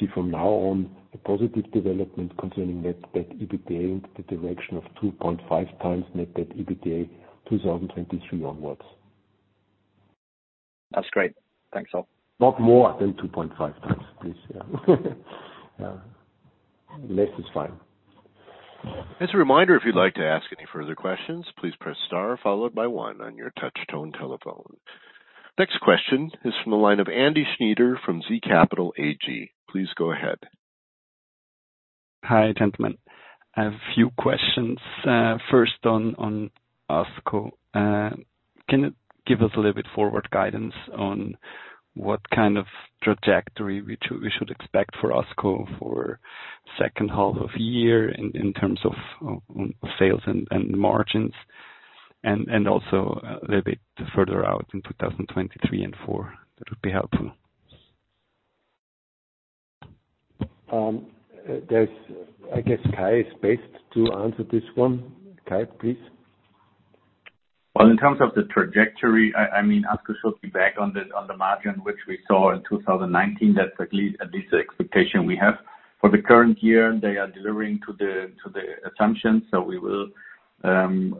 see from now on a positive development concerning net debt EBITDA into the direction of 2.5x net debt EBITDA 2023 onwards. That's great. Thanks all. Not more than 2.5x, please. Yeah. Less is fine. As a reminder, if you'd like to ask any further questions, please press star followed by one on your touch tone telephone. Next question is from the line of Andy Schnyder from zCapital AG. Please go ahead. Hi, gentlemen. I have a few questions. First on ASCO. Can you give us a little bit forward guidance on what kind of trajectory we should expect for ASCO for second half of year in terms of on sales and margins, and also a little bit further out in 2023 and 2024? That would be helpful. I guess Kai is best to answer this one. Kai, please. Well, in terms of the trajectory, I mean, ASCO should be back on the margin which we saw in 2019. That's at least the expectation we have. For the current year, they are delivering to the assumptions. We will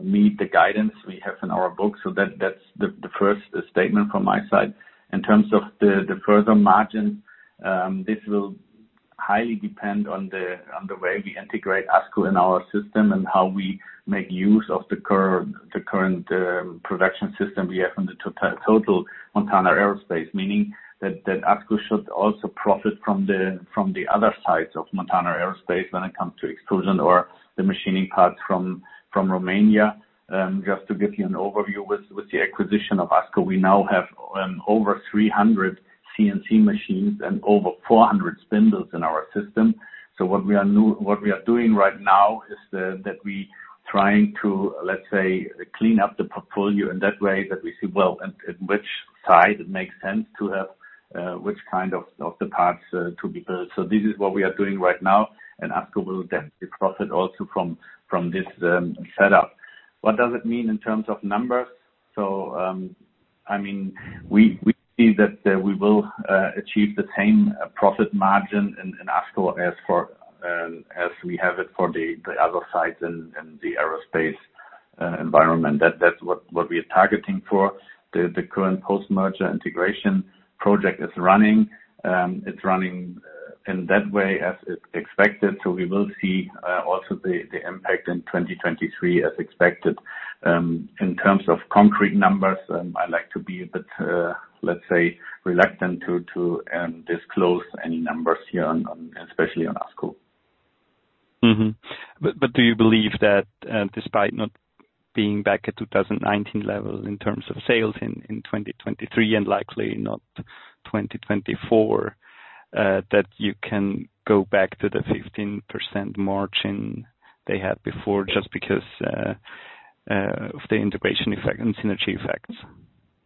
meet the guidance we have in our books. That's the first statement from my side. In terms of the further margin, this will highly depend on the way we integrate ASCO in our system and how we make use of the current production system we have in the total Montana Aerospace. Meaning that ASCO should also profit from the other sides of Montana Aerospace when it comes to extrusion or the machining parts from Romania. Just to give you an overview with the acquisition of ASCO, we now have over 300 CNC machines and over 400 spindles in our system. What we are doing right now is that we trying to, let's say, clean up the portfolio in that way that we see, well, in which side it makes sense to have which kind of the parts to be built. This is what we are doing right now, and ASCO will definitely profit also from this setup. What does it mean in terms of numbers? I mean, we see that we will achieve the same profit margin in ASCO as we have it for the other sites in the aerospace environment. That's what we are targeting for. The current post-merger integration project is running. It's running in that way as is expected. We will see also the impact in 2023 as expected. In terms of concrete numbers, I like to be a bit, let's say, reluctant to disclose any numbers here, especially on ASCO. Do you believe that, despite not being back at 2019 level in terms of sales in 2023 and likely not 2024, that you can go back to the 15% margin they had before just because of the integration effect and synergy effects?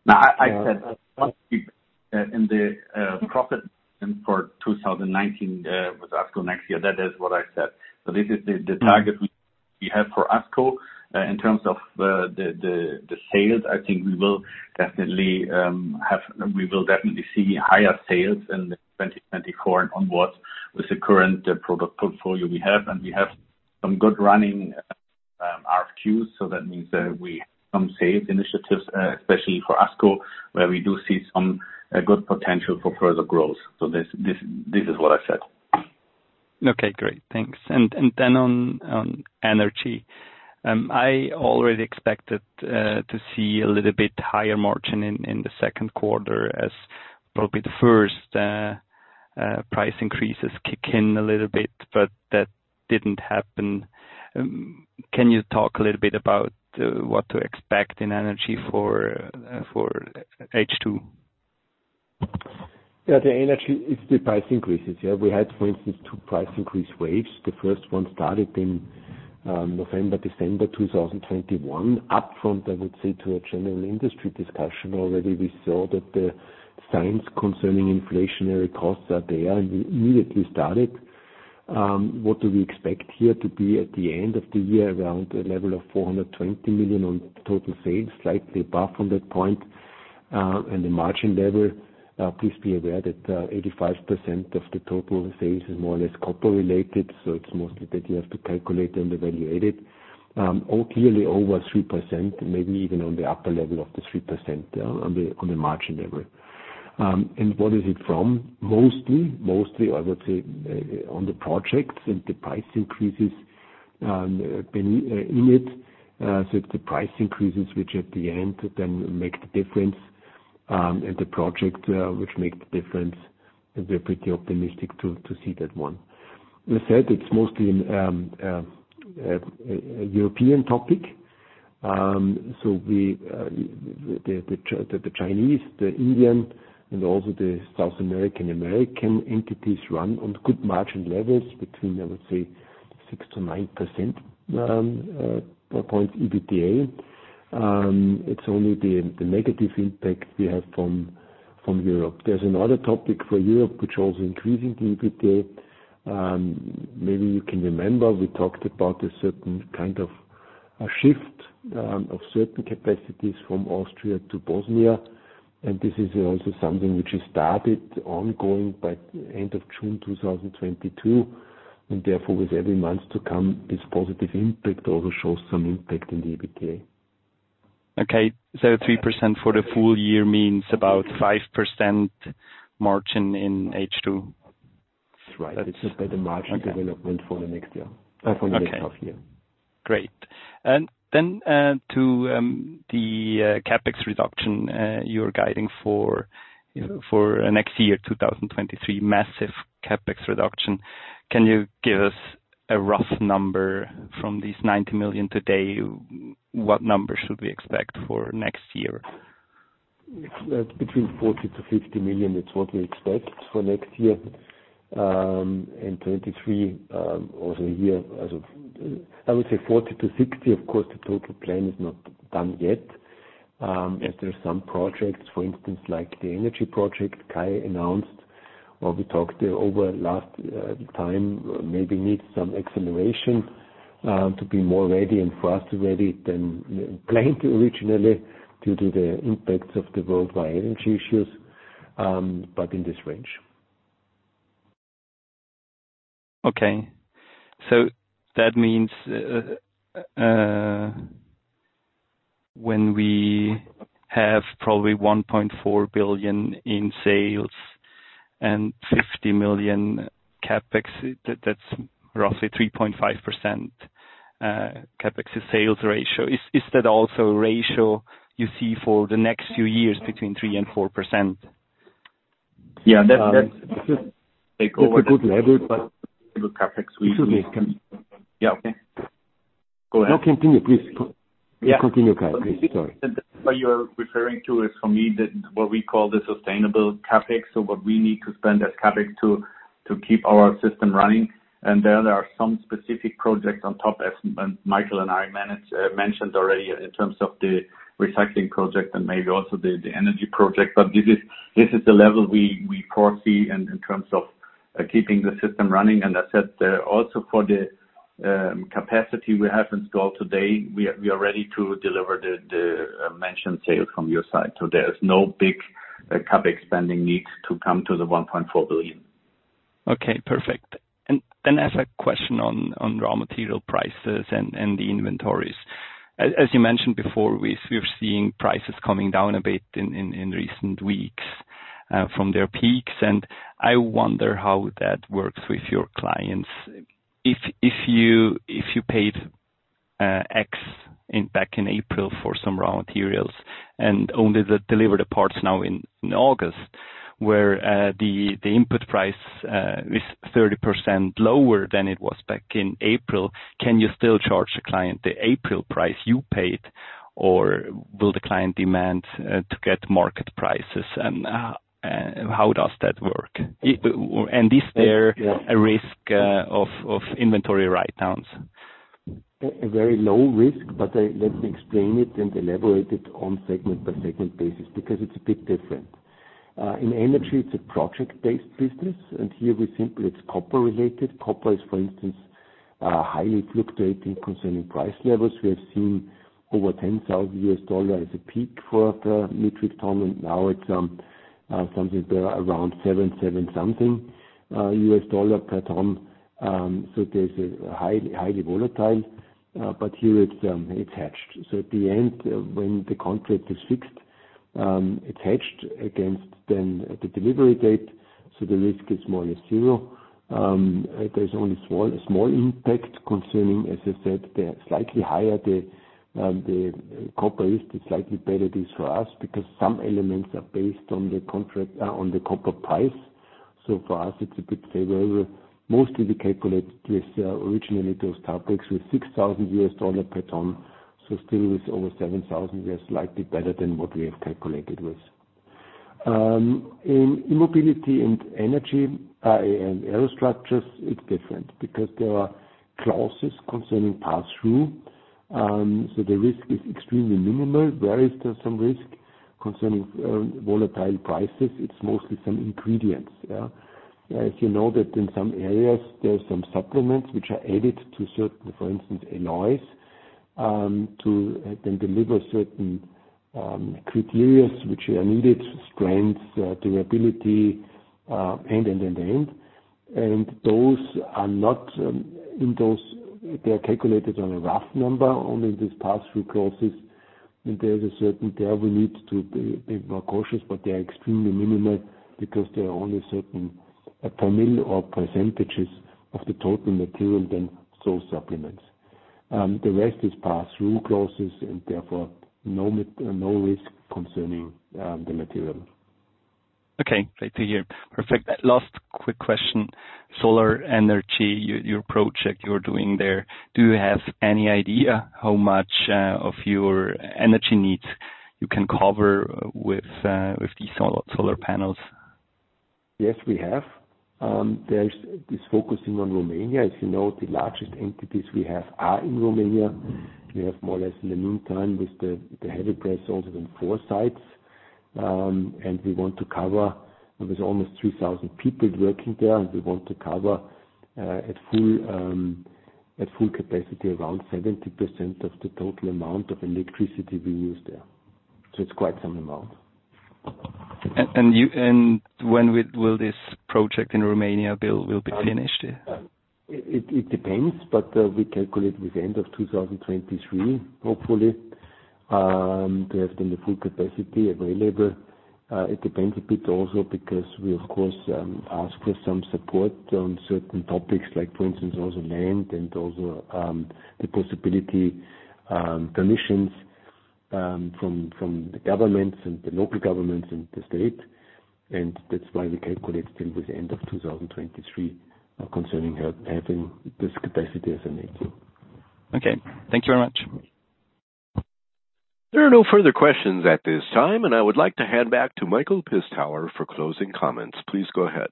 No. I said once we in the profit margin for 2019 with ASCO next year, that is what I said. This is the target we have for ASCO. In terms of the sales, I think we will definitely see higher sales in 2024 and onwards with the current product portfolio we have. We have some good running RFQs, so that means that we have some sales initiatives especially for ASCO, where we do see some good potential for further growth. This is what I said. Okay, great. Thanks. On energy, I already expected to see a little bit higher margin in the second quarter as Probably the first price increases kick in a little bit, but that didn't happen. Can you talk a little bit about what to expect in energy for H2? Yeah. The energy is the price increases. Yeah. We had, for instance, two price increase waves. The first one started in November, December 2021. Upfront, I would say to a general industry discussion already we saw that the signs concerning inflationary costs are there, and we immediately started. What do we expect here to be at the end of the year? Around a level of 420 million on total sales, slightly above from that point. And the margin level, please be aware that, 85% of the total sales is more or less copper-related, so it's mostly that you have to calculate and evaluate it. Clearly over 3%, maybe even on the upper level of the 3% on the margin level. And what is it from? Mostly, I would say on the projects and the price increases, the price increases, which at the end then make the difference, and the project, which make the difference, and we're pretty optimistic to see that one. We said it's mostly a European topic. The Chinese, the Indian, and also the South American and American entities run on good margin levels between, I would say, 6%-9% EBITDA. It's only the negative impact we have from Europe. There's another topic for Europe which also increasingly impacts EBITDA. Maybe you can remember, we talked about a certain kind of a shift of certain capacities from Austria to Bosnia, and this is also something which is started ongoing by end of June 2022, and therefore with every month to come, this positive impact also shows some impact in the EBITDA. Okay. 3% for the full year means about 5% margin in H2. That's right. That's just by the margin development for the next year. For next half year. Great. To the CapEx reduction you're guiding for next year, 2023, massive CapEx reduction. Can you give us a rough number from these 90 million today? What number should we expect for next year? It's between 40 million-50 million. That's what we expect for next year. In 2023, also a year I would say 40 million-60 million. Of course, the total plan is not done yet, as there are some projects, for instance, like the energy project Kai announced, or we talked over last time, maybe needs some acceleration, to be more ready and for us ready than planned originally due to the impacts of the worldwide energy issues, but in this range. Okay. That means, when we have probably 1.4 billion in sales and 50 million CapEx, that's roughly 3.5%, CapEx to sales ratio. Is that also a ratio you see for the next few years between 3%-4%? Yeah. That's. It's a good level, but. CapEx we Excuse me. Yeah. Okay. Go ahead. No, continue, please. Yeah. Continue, Kai. Please. Sorry. What you're referring to is for me, what we call the sustainable CapEx. What we need to spend as CapEx to keep our system running. Then there are some specific projects on top, as Michael and I mentioned already in terms of the recycling project and maybe also the energy project. This is the level we foresee in terms of keeping the system running. I said also for the capacity we have installed today, we are ready to deliver the mentioned sales from your side. There is no big CapEx spending needs to come to the 1.4 billion. Okay. Perfect. Then I have a question on raw material prices and the inventories. As you mentioned before, we're seeing prices coming down a bit in recent weeks from their peaks, and I wonder how that works with your clients. If you paid X back in April for some raw materials and only they deliver the parts now in August, where the input price is 30% lower than it was back in April, can you still charge the client the April price you paid or will the client demand to get market prices? How does that work? And is there a risk of inventory write-downs? A very low risk, but let me explain it and elaborate on it segment by segment basis because it's a bit different. In energy, it's a project-based business, and here we simply, it's copper related. Copper is, for instance, highly fluctuating concerning price levels. We have seen over $10,000 as a peak for the metric ton, and now it's something around $7,700 per ton. There's highly volatile, but here it's hedged. At the end when the contract is fixed, it's hedged against the delivery date. The risk is more or less zero. There's only small impact concerning, as I said, they are slightly higher. The copper is slightly better for us because some elements are based on the copper price. For us it's a bit favorable. Mostly we calculate with originally those topics with $6,000 per ton. Still with over $7,000, we are slightly better than what we have calculated with. In E-mobility and energy and Aerostructures, it's different because there are clauses concerning pass-through. The risk is extremely minimal. Where is there some risk concerning volatile prices? It's mostly some ingredients. Yeah. As you know that in some areas there are some supplements which are added to certain, for instance, alloys, to then deliver certain criteria which are needed strengths, durability, and end. Those are not in those. They are calculated on a rough number only in these pass-through clauses. There is a certain care we need to be more cautious, but they are extremely minimal because they are only a certain percentage of the total material and those supplements. The rest is pass-through clauses and therefore no risk concerning the material. Okay. Great to hear. Perfect. Last quick question. Solar energy. Your project you're doing there, do you have any idea how much of your energy needs you can cover with these solar panels? Yes, we have. There's this focusing on Romania. As you know, the largest entities we have are in Romania. We have more or less in the meantime, with the heavy press also the four sites. We want to cover. There was almost 3,000 people working there, and we want to cover at full capacity around 70% of the total amount of electricity we use there. It's quite some amount. When will this project in Romania be finished? It depends, but we calculate with the end of 2023, hopefully to have then the full capacity available. It depends a bit also because we of course ask for some support on certain topics like for instance also land and also the possibility, permissions from the governments and the local governments and the state. That's why we calculated till the end of 2023 concerning having this capacity as a need. Okay. Thank you very much. There are no further questions at this time, and I would like to hand back to Michael Pistauer for closing comments. Please go ahead.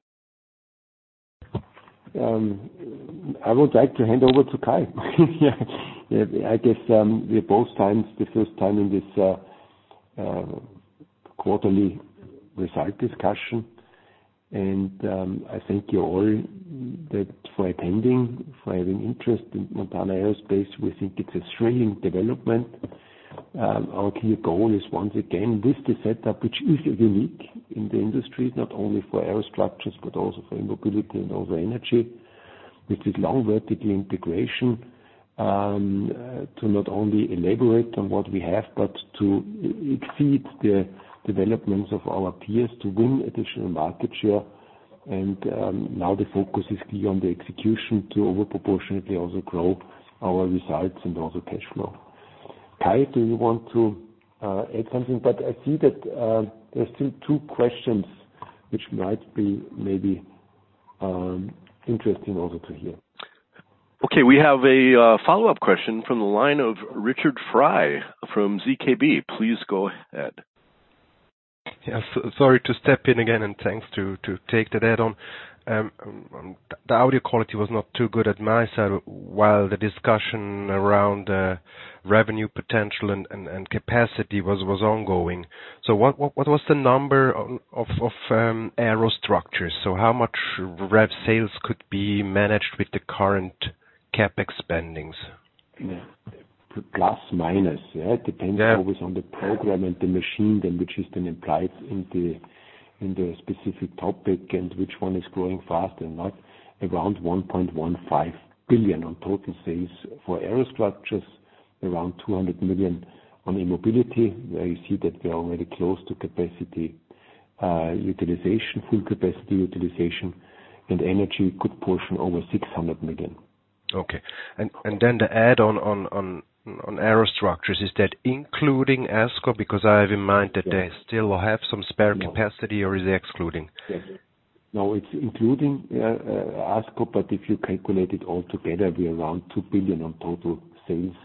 I would like to hand over to Kai. Yeah. I guess, we are both times, the first time in this quarterly result discussion. I thank you all that for attending, for having interest in Montana Aerospace. We think it's a thrilling development. Our key goal is once again, with the setup, which is unique in the industry, not only for Aerostructures, but also for E-mobility and also energy. With this long vertical integration, to not only elaborate on what we have, but to exceed the developments of our peers to win additional market share. Now the focus is key on the execution to over proportionately also grow our results and also cash flow. Kai, do you want to add something? I see that, there's still two questions which might be maybe, interesting also to hear. Okay. We have a follow-up question from the line Richard Frei from ZKB. Please go ahead. Yes. Sorry to step in again, and thanks to take that add on. The audio quality was not too good at my side while the discussion around revenue potential and capacity was ongoing. What was the number of Aerostructures? How much rev sales could be managed with the current CapEx spending? Yeah. Plus, minus. Yeah. Yeah. depends always on the program and the machine which is implied in the specific topic and which one is growing faster, now around 1.15 billion on total sales. For Aerostructures, around 200 million. On E-mobility, I see that we are already close to full capacity utilization, and energy's portion over 600 million. Okay. The add-on on Aerostructures, is that including ASCO? Because I have in mind that they still have some spare capacity or is it excluding? No, it's including ASCO, but if you calculate it all together, we are around 2 billion on total sales,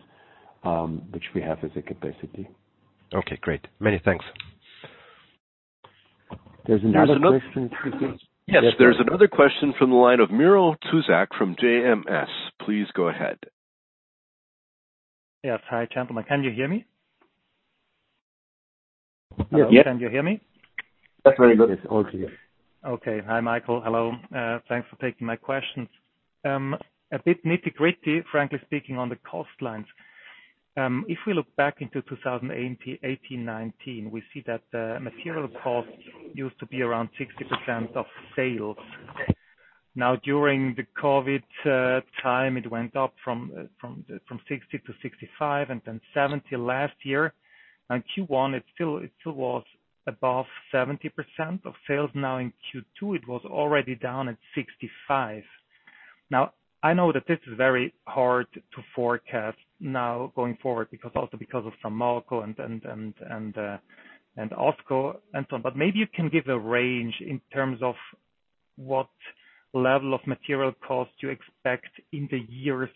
which we have as a capacity. Okay, great. Many thanks. There's another question. Yes, there's another question from the line of Miro Tuzak from JMS. Please go ahead. Yes. Hi, gentlemen. Can you hear me? Yes. Can you hear me? That's very good. It's all clear. Okay. Hi, Michael. Hello. Thanks for taking my questions. A bit nitty-gritty, frankly speaking on the cost lines. If we look back into 2018, 2019, we see that the material cost used to be around 60% of sales. Now during the COVID time, it went up from 60%-65% and then 70% last year. Now in Q1, it was above 70% of sales. Now in Q2, it was already down at 65%. Now, I know that this is very hard to forecast now going forward because of Framoco and ASCO and so on. But maybe you can give a range in terms of what level of material costs you expect in the years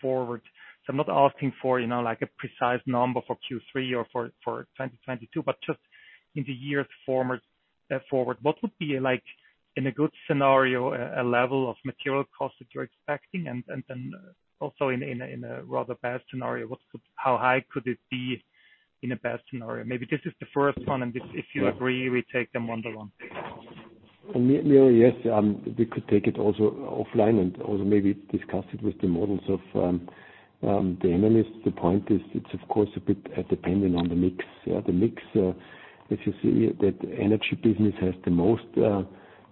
forward. I'm not asking for, you know, like a precise number for Q3 or for 2022, but just in the years forward, what would be like in a good scenario, a level of material cost that you're expecting? And then also in a rather bad scenario, how high could it be in a bad scenario? Maybe this is the first one, and if you agree, we take them one by one. Yes, we could take it also offline and also maybe discuss it with the models of the analysts. The point is it's of course a bit dependent on the mix. The mix, if you see that energy business has the most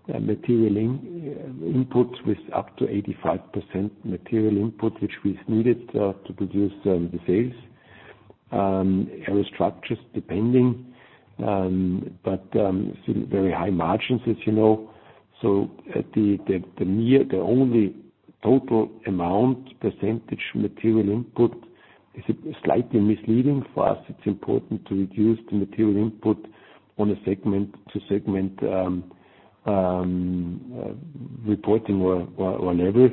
material input with up to 85% material input, which we've needed to produce the sales. Aerostructures depending, but still very high margins, as you know. The only total amount percentage material input is slightly misleading. For us, it's important to reduce the material input on a segment-to-segment reporting or level.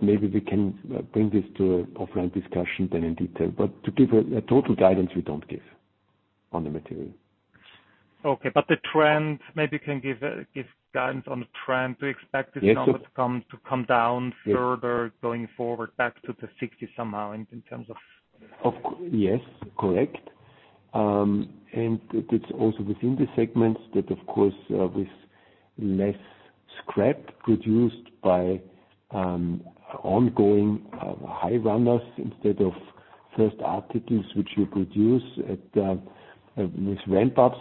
Maybe we can bring this to offline discussion then in detail. To give a total guidance, we don't give on the material. Okay. The trend, maybe you can give guidance on the trend. We expect this number. Yes. to come down further going forward back to the 60% somehow in terms of Yes, correct. It's also within the segments that, of course, with less scrap produced by ongoing high runners instead of first articles which you produce at with ramp ups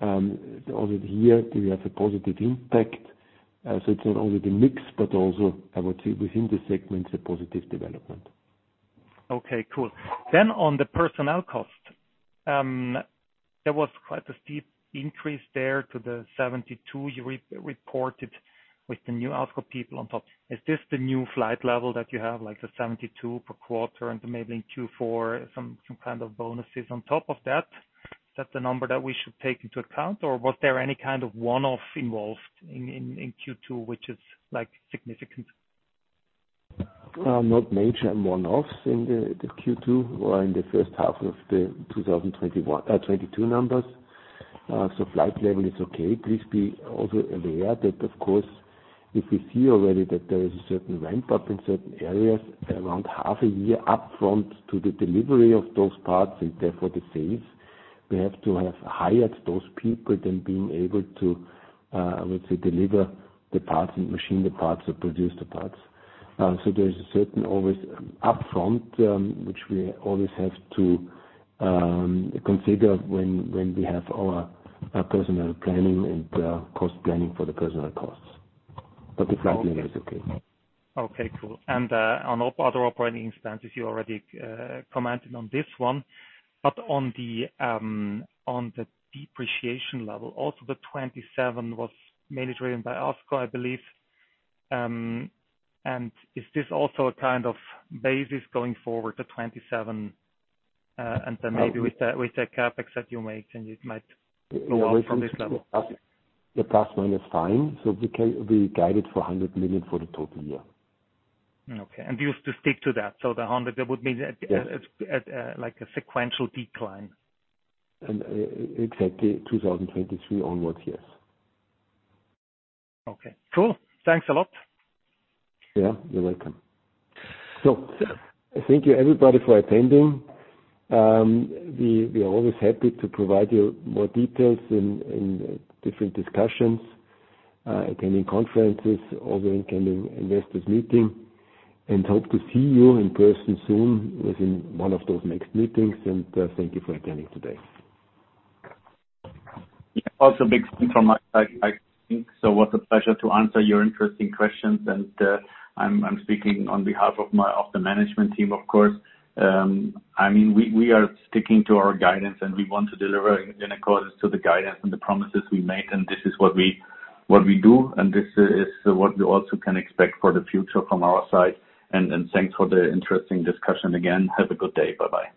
over the year, we have a positive impact. It's not only the mix, but also I would say within the segment, a positive development. Okay, cool. On the personnel cost, there was quite a steep increase there to the 72 you re-reported with the new ASCO people on top. Is this the new flight level that you have, like the 72 per quarter and maybe in Q4 some kind of bonuses on top of that? Is that the number that we should take into account, or was there any kind of one-off involved in Q2, which is like significant? Not major one-offs in the Q2 or in the first half of the 2022 numbers. Flight level is okay. Please be also aware that of course, if we see already that there is a certain ramp up in certain areas around half a year upfront to the delivery of those parts and therefore the sales, we have to have hired those people rather than being able to, I would say, deliver the parts and machine the parts or produce the parts. There's always a certain upfront, which we always have to consider when we have our personnel planning and cost planning for the personnel costs. The flight level is okay. Okay, cool. On other operating expenses, you already commented on this one. On the depreciation level, also the 2027 was mainly driven by ASCO, I believe. Is this also a kind of basis going forward to 2027, and then maybe with the CapEx that you make, then it might go up from this level? The plus or minus fine. We guided for 100 million for the total year. Okay. You have to stick to that. The 100, that would mean at like a sequential decline. Exactly. 2023 onwards, yes. Okay, cool. Thanks a lot. Yeah, you're welcome. Thank you everybody for attending. We are always happy to provide you more details in different discussions, attending conferences or the incoming investors meeting, and hope to see you in person soon within one of those next meetings. Thank you for attending today. Yeah. Also, a big thing from my side, I think. It was a pleasure to answer your interesting questions. I'm speaking on behalf of the management team, of course. I mean, we are sticking to our guidance, and we want to deliver on the guidance and the promises we make, and this is what we do, and this is what you also can expect for the future from our side. Thanks for the interesting discussion again. Have a good day. Bye-bye.